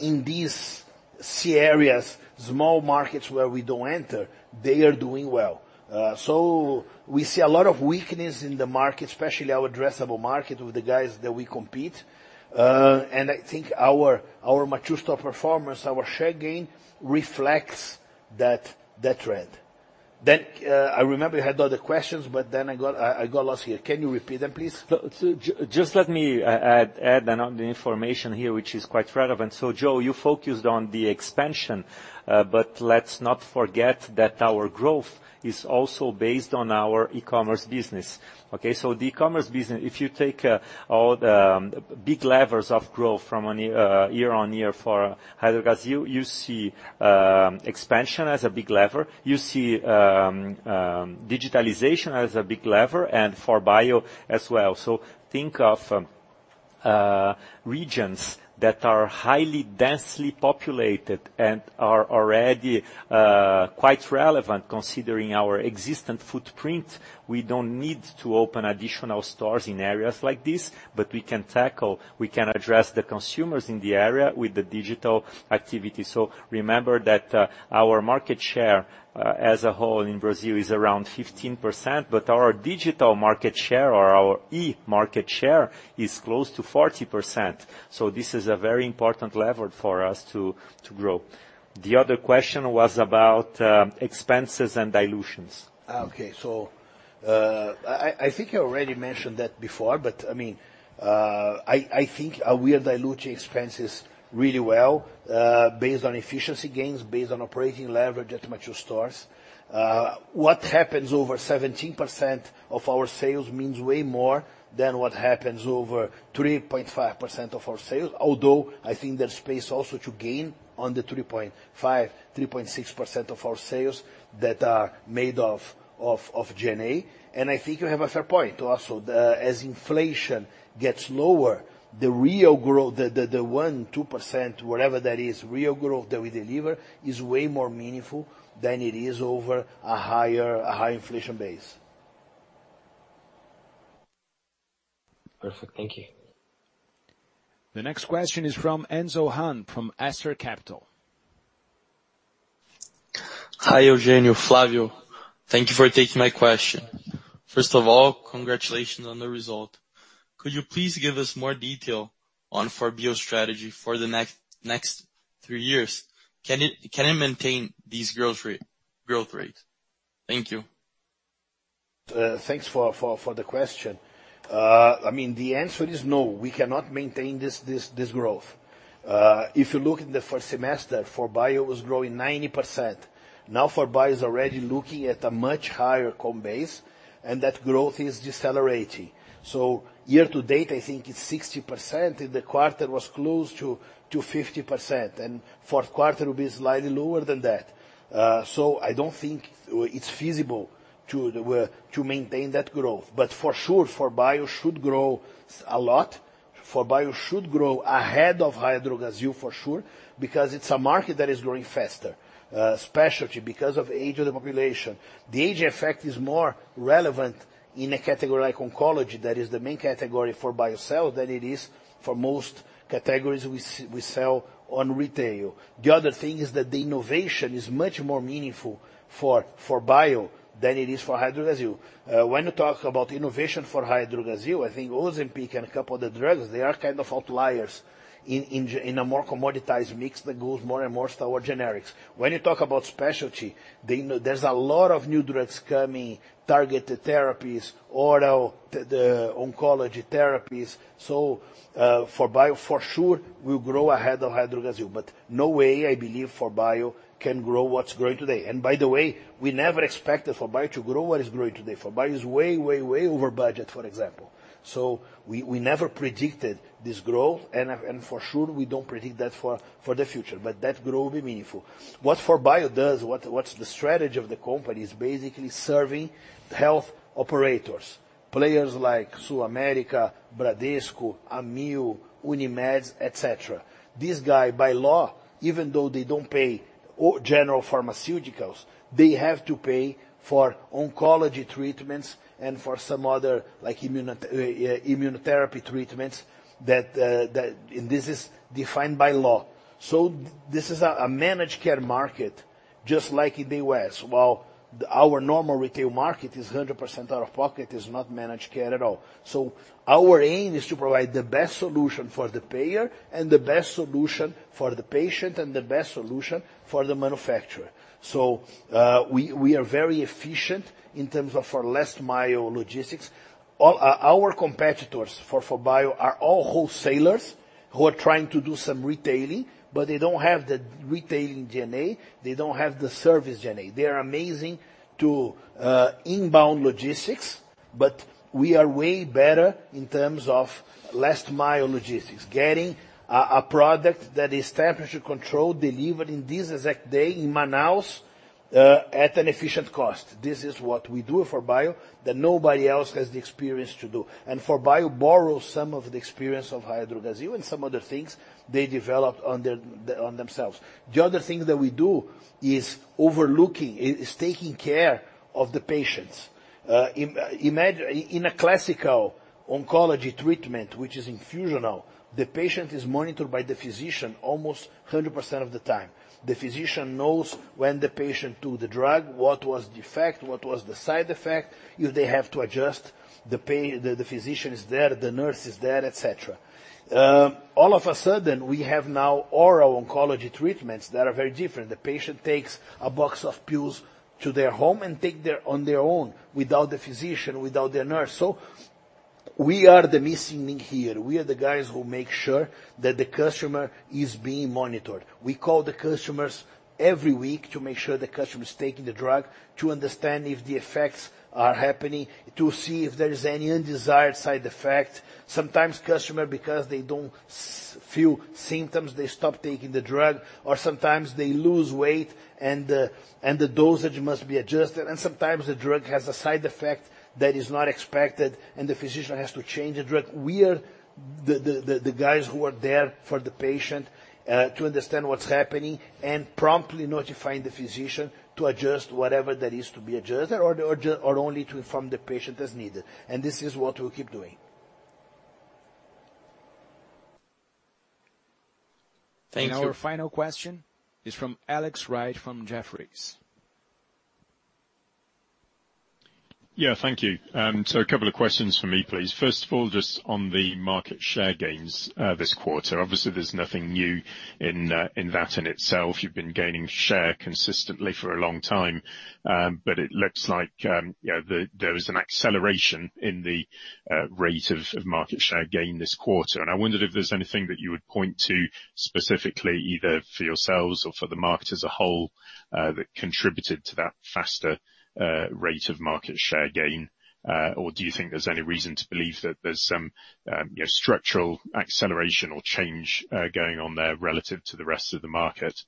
[SPEAKER 2] in these C areas, small markets where we don't enter, they are doing well. So we see a lot of weakness in the market, especially our addressable market, with the guys that we compete. And I think our mature store performance, our share gain, reflects that trend. Then, I remember you had other questions, but then I got lost here. Can you repeat them, please?
[SPEAKER 3] Just let me add another information here, which is quite relevant. Joe, you focused on the expansion, but let's not forget that our growth is also based on our e-commerce business, okay? So the e-commerce business, if you take all the big levers of growth from an year-on-year for Raia Drogasil, you see expansion as a big lever, you see digitalization as a big lever, and 4Bio as well. So think of regions that are highly densely populated and are already quite relevant, considering our existing footprint. We don't need to open additional stores in areas like this, but we can tackle, we can address the consumers in the area with the digital activity. So remember that, our market share, as a whole in Brazil, is around 15%, but our digital market share, or our e-market share, is close to 40%. So this is a very important lever for us to, to grow. The other question was about, expenses and dilutions.
[SPEAKER 2] Ah, okay. So, I think you already mentioned that before, but, I mean, I think we are diluting expenses really well, based on efficiency gains, based on operating leverage at mature stores. What happens over 17% of our sales means way more than what happens over 3.5% of our sales, although I think there's space also to gain on the 3.5%-3.6% of our sales that are made of G&A. And I think you have a fair point, also. As inflation gets lower, the real growth, the 1%-2%, whatever that is, real growth that we deliver is way more meaningful than it is over a high inflation base.
[SPEAKER 7] Perfect. Thank you.
[SPEAKER 1] The next question is from Enzo Hahn, from Aster Capital.
[SPEAKER 8] Hi, Eugênio, Flávio. Thank you for taking my question. First of all, congratulations on the result. Could you please give us more detail on 4Bio strategy for the next, next three years? Can it, can it maintain these growth rate, growth rates? Thank you.
[SPEAKER 2] Thanks for the question. I mean, the answer is no, we cannot maintain this growth. If you look in the first semester, 4Bio was growing 90%. Now, 4Bio is already looking at a much higher comp base, and that growth is decelerating. So year to date, I think it's 60%, and the quarter was close to 50%, and fourth quarter will be slightly lower than that. So I don't think it's feasible to maintain that growth. But for sure, 4Bio should grow a lot. 4Bio should grow ahead of Raia Drogasil, for sure, because it's a market that is growing faster, especially because of the age of the population. The age effect is more relevant in a category like oncology, that is the main category 4Bio sell, than it is for most categories we sell on retail. The other thing is that the innovation is much more meaningful for 4Bio than it is for Raia Drogasil. When you talk about innovation for Raia Drogasil, I think Ozempic and a couple other drugs, they are kind of outliers in a more commoditized mix that goes more and more toward generics. When you talk about specialty, there's a lot of new drugs coming, targeted therapies, oral, the oncology therapies. So, 4Bio, for sure, will grow ahead of Raia Drogasil, but no way I believe 4Bio can grow what's growing today. And by the way, we never expected 4Bio to grow what is growing today. 4Bio is way, way, way over budget, for example. So we never predicted this growth, and for sure, we don't predict that for the future, but that growth will be meaningful. What 4Bio does, what's the strategy of the company, is basically serving health operators, players like SulAmérica, Bradesco, Amil, Unimeds, et cetera. These guys, by law, even though they don't pay out-of-pocket for general pharmaceuticals, they have to pay for oncology treatments and for some other, like, immuno, immunotherapy treatments, that, and this is defined by law. So this is a managed care market, just like in the U.S. While our normal retail market is 100% out of pocket, is not managed care at all. So our aim is to provide the best solution for the payer, and the best solution for the patient, and the best solution for the manufacturer. So, we are very efficient in terms of our last mile logistics. All our competitors for 4Bio are all wholesalers who are trying to do some retailing, but they don't have the retailing DNA, they don't have the service DNA. They are amazing to inbound logistics, but we are way better in terms of last mile logistics. Getting a product that is temperature-controlled, delivered in this exact day in Manaus at an efficient cost. This is what we do for 4Bio, that nobody else has the experience to do. And for 4Bio, borrow some of the experience of Raia Drogasil and some other things they developed on their, on themselves. The other thing that we do is overlooking is taking care of the patients. In a classical oncology treatment, which is infusional, the patient is monitored by the physician almost 100% of the time. The physician knows when the patient took the drug, what was the effect, what was the side effect, if they have to adjust the, the physician is there, the nurse is there, et cetera. All of a sudden, we have now oral oncology treatments that are very different. The patient takes a box of pills to their home and take their, on their own, without the physician, without the nurse. So we are the missing link here. We are the guys who make sure that the customer is being monitored. We call the customers every week to make sure the customer is taking the drug, to understand if the effects are happening, to see if there is any undesired side effect. Sometimes customers, because they don't feel symptoms, they stop taking the drug, or sometimes they lose weight and the dosage must be adjusted. And sometimes the drug has a side effect that is not expected, and the physician has to change the drug. We are the guys who are there for the patient, to understand what's happening, and promptly notifying the physician to adjust whatever that is to be adjusted or only to inform the patient as needed. And this is what we'll keep doing.
[SPEAKER 8] Thank you.
[SPEAKER 1] Our final question is from Alex Wright, from Jefferies.
[SPEAKER 9] Yeah, thank you. So a couple of questions from me, please. First of all, just on the market share gains this quarter. Obviously, there's nothing new in that, in itself. You've been gaining share consistently for a long time, but it looks like, you know, there was an acceleration in the rate of market share gain this quarter. And I wondered if there's anything that you would point to specifically, either for yourselves or for the market as a whole, that contributed to that faster rate of market share gain? Or do you think there's any reason to believe that there's some, you know, structural acceleration or change going on there relative to the rest of the market?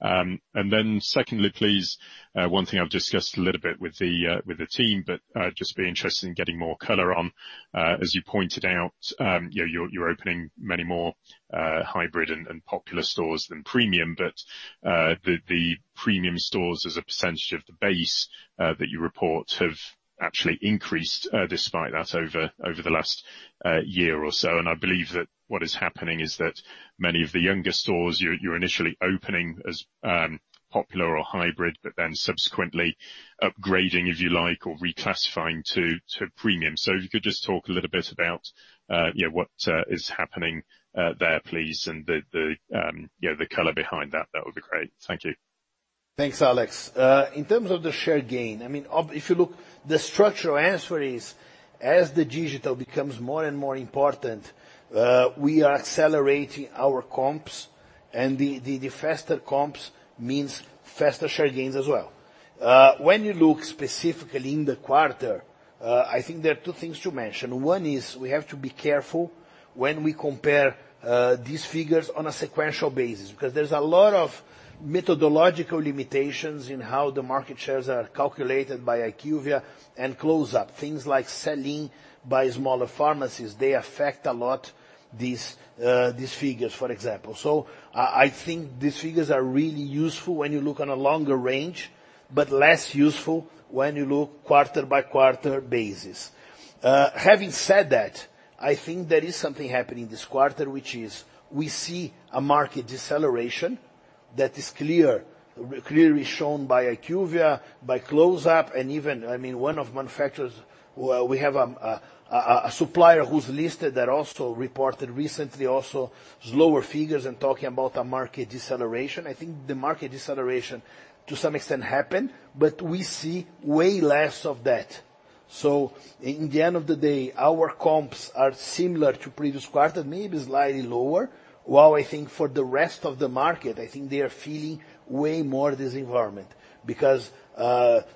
[SPEAKER 9] And then secondly, please, one thing I've discussed a little bit with the team, but just be interested in getting more color on, as you pointed out, you know, you're opening many more hybrid and popular stores than premium. But the premium stores, as a percentage of the base that you report, have actually increased despite that over the last year or so. And I believe that what is happening is that many of the younger stores, you're initially opening as popular or hybrid, but then subsequently upgrading, if you like, or reclassifying to premium. So if you could just talk a little bit about, you know, what is happening there, please, and, you know, the color behind that. That would be great. Thank you.
[SPEAKER 2] Thanks, Alex. In terms of the share gain, I mean, if you look, the structural answer is, as the digital becomes more and more important, we are accelerating our comps, and the faster comps means faster share gains as well. When you look specifically in the quarter, I think there are two things to mention. One is we have to be careful when we compare these figures on a sequential basis, because there's a lot of methodological limitations in how the market shares are calculated by IQVIA and Close-Up. Things like selling by smaller pharmacies, they affect a lot these figures, for example. So I think these figures are really useful when you look on a longer range, but less useful when you look quarter-by-quarter basis. Having said that, I think there is something happening this quarter, which is we see a market deceleration that is clear, clearly shown by IQVIA, by Close-Up, and even, I mean, one of manufacturers, we have, a supplier who's listed that also reported recently, also slower figures and talking about a market deceleration. I think the market deceleration, to some extent, happened, but we see way less of that. So in the end of the day, our comps are similar to previous quarter, maybe slightly lower, while I think for the rest of the market, I think they are feeling way more this environment. Because, because of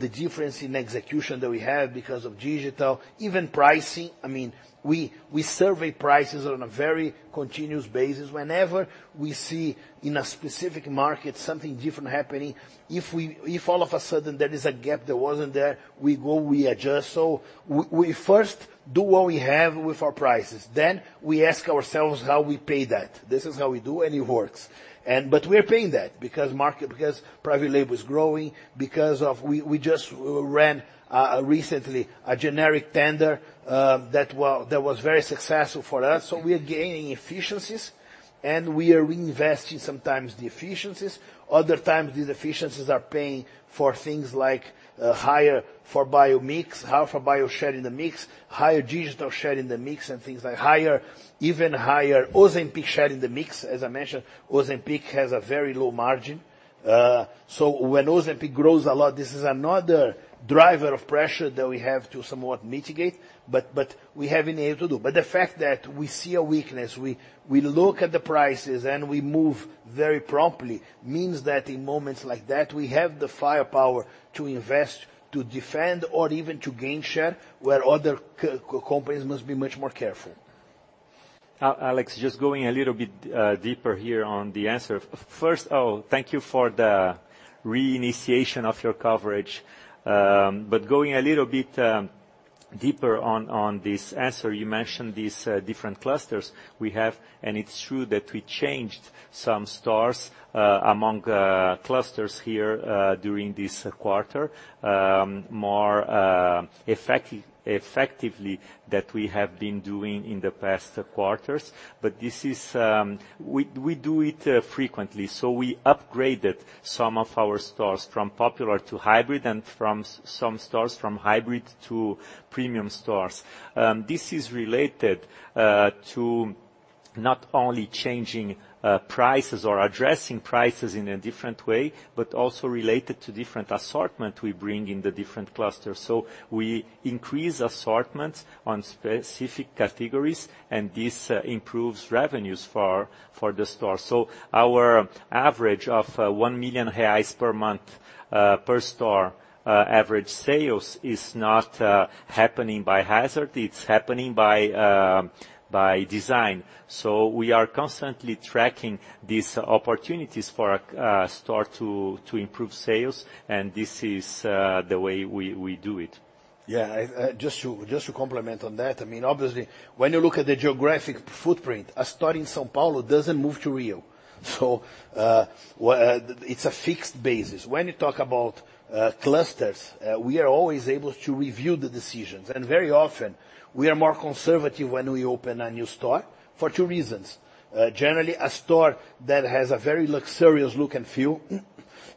[SPEAKER 2] the difference in execution that we have, because of digital, even pricing, I mean, we survey prices on a very continuous basis. Whenever we see in a specific market something different happening, if all of a sudden there is a gap that wasn't there, we go, we adjust. So we first do what we have with our prices, then we ask ourselves how we pay that. This is how we do, and it works. But we are paying that because market, because private label is growing, because of, we just ran recently a generic tender that was very successful for us. So we are gaining efficiencies, and we are reinvesting sometimes the efficiencies. Other times, the efficiencies are paying for things like higher 4Bio mix, higher 4Bio share in the mix, higher digital share in the mix, and things like higher, even higher Ozempic share in the mix. As I mentioned, Ozempic has a very low margin. So when Ozempic grows a lot, this is another driver of pressure that we have to somewhat mitigate, but, but we have been able to do. But the fact that we see a weakness, we look at the prices and we move very promptly, means that in moments like that, we have the firepower to invest, to defend, or even to gain share, where other companies must be much more careful.
[SPEAKER 3] Alex, just going a little bit deeper here on the answer. First, oh, thank you for the re-initiation of your coverage. But going a little bit deeper on this answer, you mentioned these different clusters we have, and it's true that we changed some stores among clusters here during this quarter. More effectively than we have been doing in the past quarters. But this is, we do it frequently. So we upgraded some of our stores from popular to hybrid, and from hybrid to premium stores. This is related to not only changing prices or addressing prices in a different way, but also related to different assortment we bring in the different clusters. So we increase assortments on specific categories, and this improves revenues for, for the store. So our average of 1 million reais per month per store average sales is not happening by hazard, it's happening by design. So we are constantly tracking these opportunities for a store to improve sales, and this is the way we do it.
[SPEAKER 2] Yeah, I just to complement on that, I mean, obviously, when you look at the geographic footprint, a store in São Paulo doesn't move to Rio. So, well, it's a fixed basis. When you talk about clusters, we are always able to review the decisions, and very often, we are more conservative when we open a new store for two reasons. Generally, a store that has a very luxurious look and feel,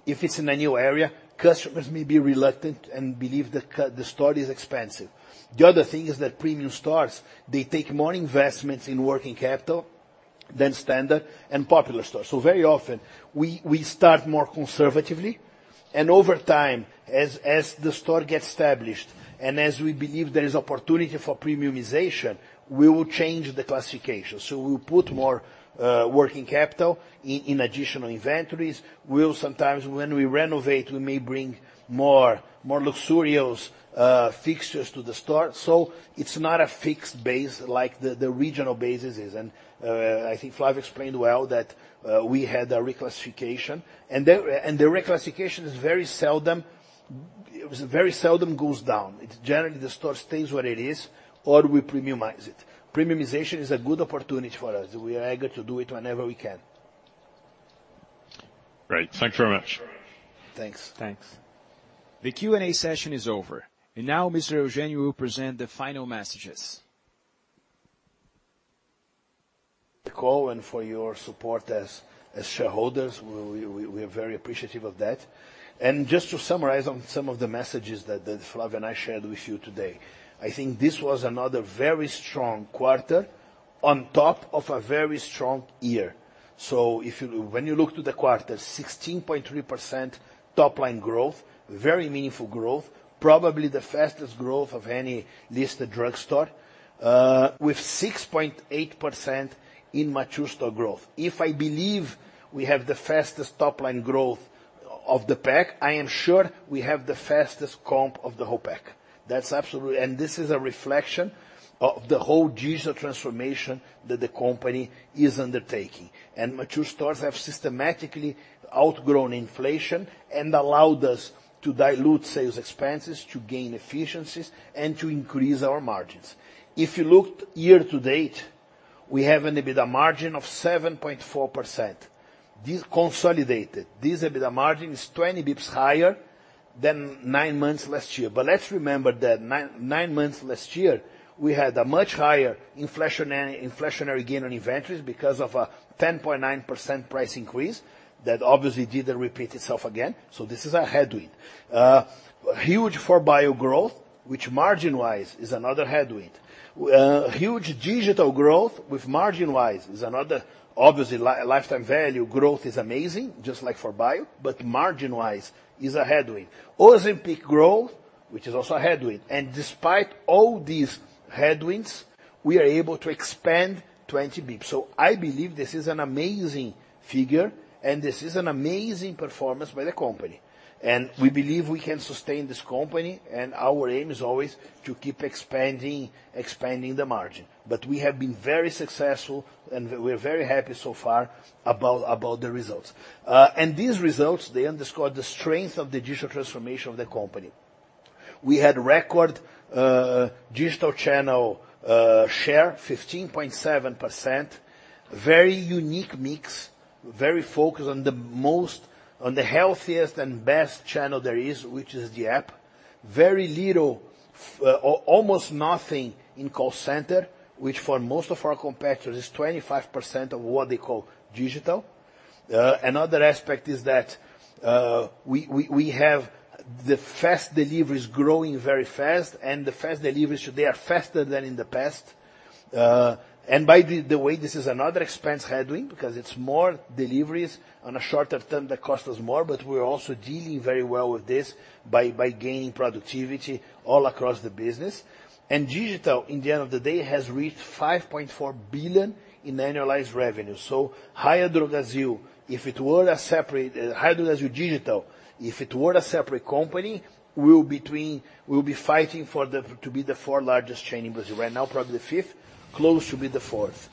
[SPEAKER 2] if it's in a new area, customers may be reluctant and believe the store is expensive. The other thing is that premium stores, they take more investments in working capital than standard and popular stores. So very often, we start more conservatively, and over time, as the store gets established, and as we believe there is opportunity for premiumization, we will change the classification. So we'll put more, working capital in, in additional inventories. We'll sometimes, when we renovate, we may bring more, more luxurious, fixtures to the store. So it's not a fixed base like the, the regional bases is, and, I think Flávio explained well that, we had a reclassification. And the, and the reclassification is very seldom. It very seldom goes down. It's generally the store stays where it is, or we premiumize it. Premiumization is a good opportunity for us. We are eager to do it whenever we can.
[SPEAKER 9] Great. Thank you very much.
[SPEAKER 2] Thanks.
[SPEAKER 3] Thanks.
[SPEAKER 1] The Q&A session is over. And now, Mr. Eugênio will present the final messages.
[SPEAKER 2] (audio distortion) the call and for your support as shareholders. We are very appreciative of that. And just to summarize on some of the messages that Flávio and I shared with you today, I think this was another very strong quarter on top of a very strong year. So if you, when you look to the quarter, 16.3% top line growth, very meaningful growth, probably the fastest growth of any listed drugstore, with 6.8% in mature store growth. If I believe we have the fastest top line growth of the pack, I am sure we have the fastest comp of the whole pack. That's absolutely, and this is a reflection of the whole digital transformation that the company is undertaking. Mature stores have systematically outgrown inflation and allowed us to dilute sales expenses, to gain efficiencies, and to increase our margins. If you looked year to date, we have an EBITDA margin of 7.4%. This consolidated, this EBITDA margin is 20 basis points higher than nine months last year. But let's remember that nine months last year, we had a much higher inflationary gain on inventories because of a 10.9% price increase that obviously didn't repeat itself again, so this is a headwind. Huge 4Bio growth, which margin-wise is another headwind. Huge digital growth with margin-wise is another, obviously, lifetime value growth is amazing, just like for 4Bio, but margin-wise is a headwind. Ozempic growth, which is also a headwind. Despite all these headwinds, we are able to expand 20 basis points. So I believe this is an amazing figure, and this is an amazing performance by the company. And we believe we can sustain this company, and our aim is always to keep expanding, expanding the margin. But we have been very successful, and we're very happy so far about the results. And these results, they underscore the strength of the digital transformation of the company. We had record digital channel share, 15.7%. Very unique mix, very focused on the most, on the healthiest and best channel there is, which is the app. Very little or almost nothing in call center, which for most of our competitors, is 25% of what they call digital. Another aspect is that we have the fast deliveries growing very fast, and the fast deliveries, they are faster than in the past. By the way, this is another expense headwind, because it's more deliveries on a shorter term that cost us more, but we're also dealing very well with this by gaining productivity all across the business. And digital, in the end of the day, has reached 5.4 billion in annualized revenue. So Raia Drogasil, if it were a separate, Raia Drogasil digital, if it were a separate company, we'll be fighting for the to be the fourth largest chain in Brazil. Right now, probably the fifth, close to be the fourth.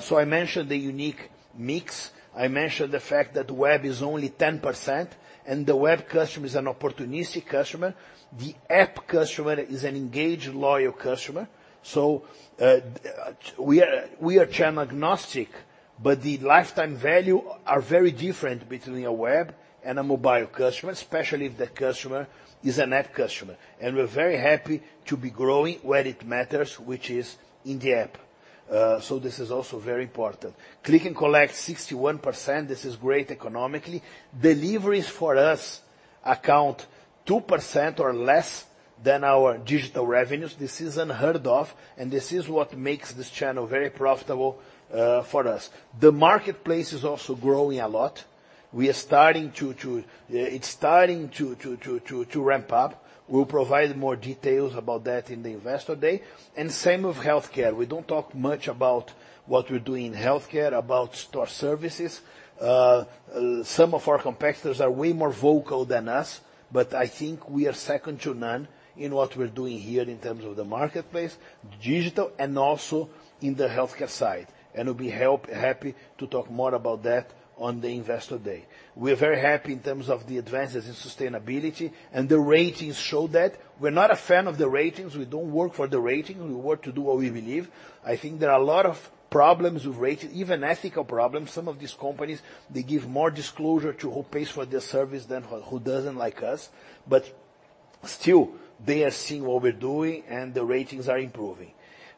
[SPEAKER 2] So I mentioned the unique mix. I mentioned the fact that web is only 10%, and the web customer is an opportunistic customer. The app customer is an engaged, loyal customer. So, we are channel agnostic, but the lifetime value are very different between a web and a mobile customer, especially if the customer is an app customer. And we're very happy to be growing where it matters, which is in the app. So this is also very important. Click and Collect, 61%, this is great economically. Deliveries for us account 2% or less than our digital revenues. This is unheard of, and this is what makes this channel very profitable for us. The marketplace is also growing a lot. It's starting to ramp up. We'll provide more details about that in the Investor Day. And same with healthcare. We don't talk much about what we're doing in healthcare, about store services. Some of our competitors are way more vocal than us, but I think we are second to none in what we're doing here in terms of the marketplace, digital, and also in the healthcare side. And we'll be happy to talk more about that on the Investor Day. We're very happy in terms of the advances in sustainability, and the ratings show that. We're not a fan of the ratings. We don't work for the rating. We work to do what we believe. I think there are a lot of problems with ratings, even ethical problems. Some of these companies, they give more disclosure to who pays for their service than who doesn't, like us. But still, they are seeing what we're doing, and the ratings are improving.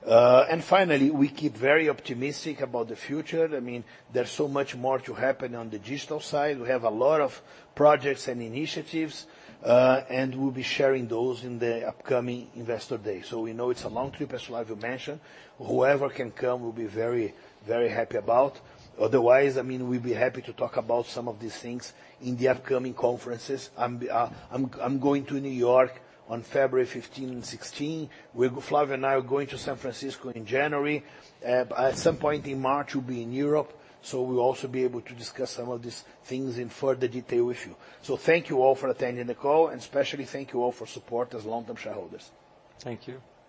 [SPEAKER 2] And finally, we keep very optimistic about the future. I mean, there's so much more to happen on the digital side. We have a lot of projects and initiatives, and we'll be sharing those in the upcoming Investor Day. So we know it's a long trip, as Flávio mentioned. Whoever can come, we'll be very, very happy about. Otherwise, I mean, we'll be happy to talk about some of these things in the upcoming conferences. I'm, I'm going to New York on February 15 and 16. We're, Flávio and I, are going to San Francisco in January. At some point in March, we'll be in Europe, so we'll also be able to discuss some of these things in further detail with you. So thank you all for attending the call, and especially thank you all for support as long-term shareholders.
[SPEAKER 3] Thank you.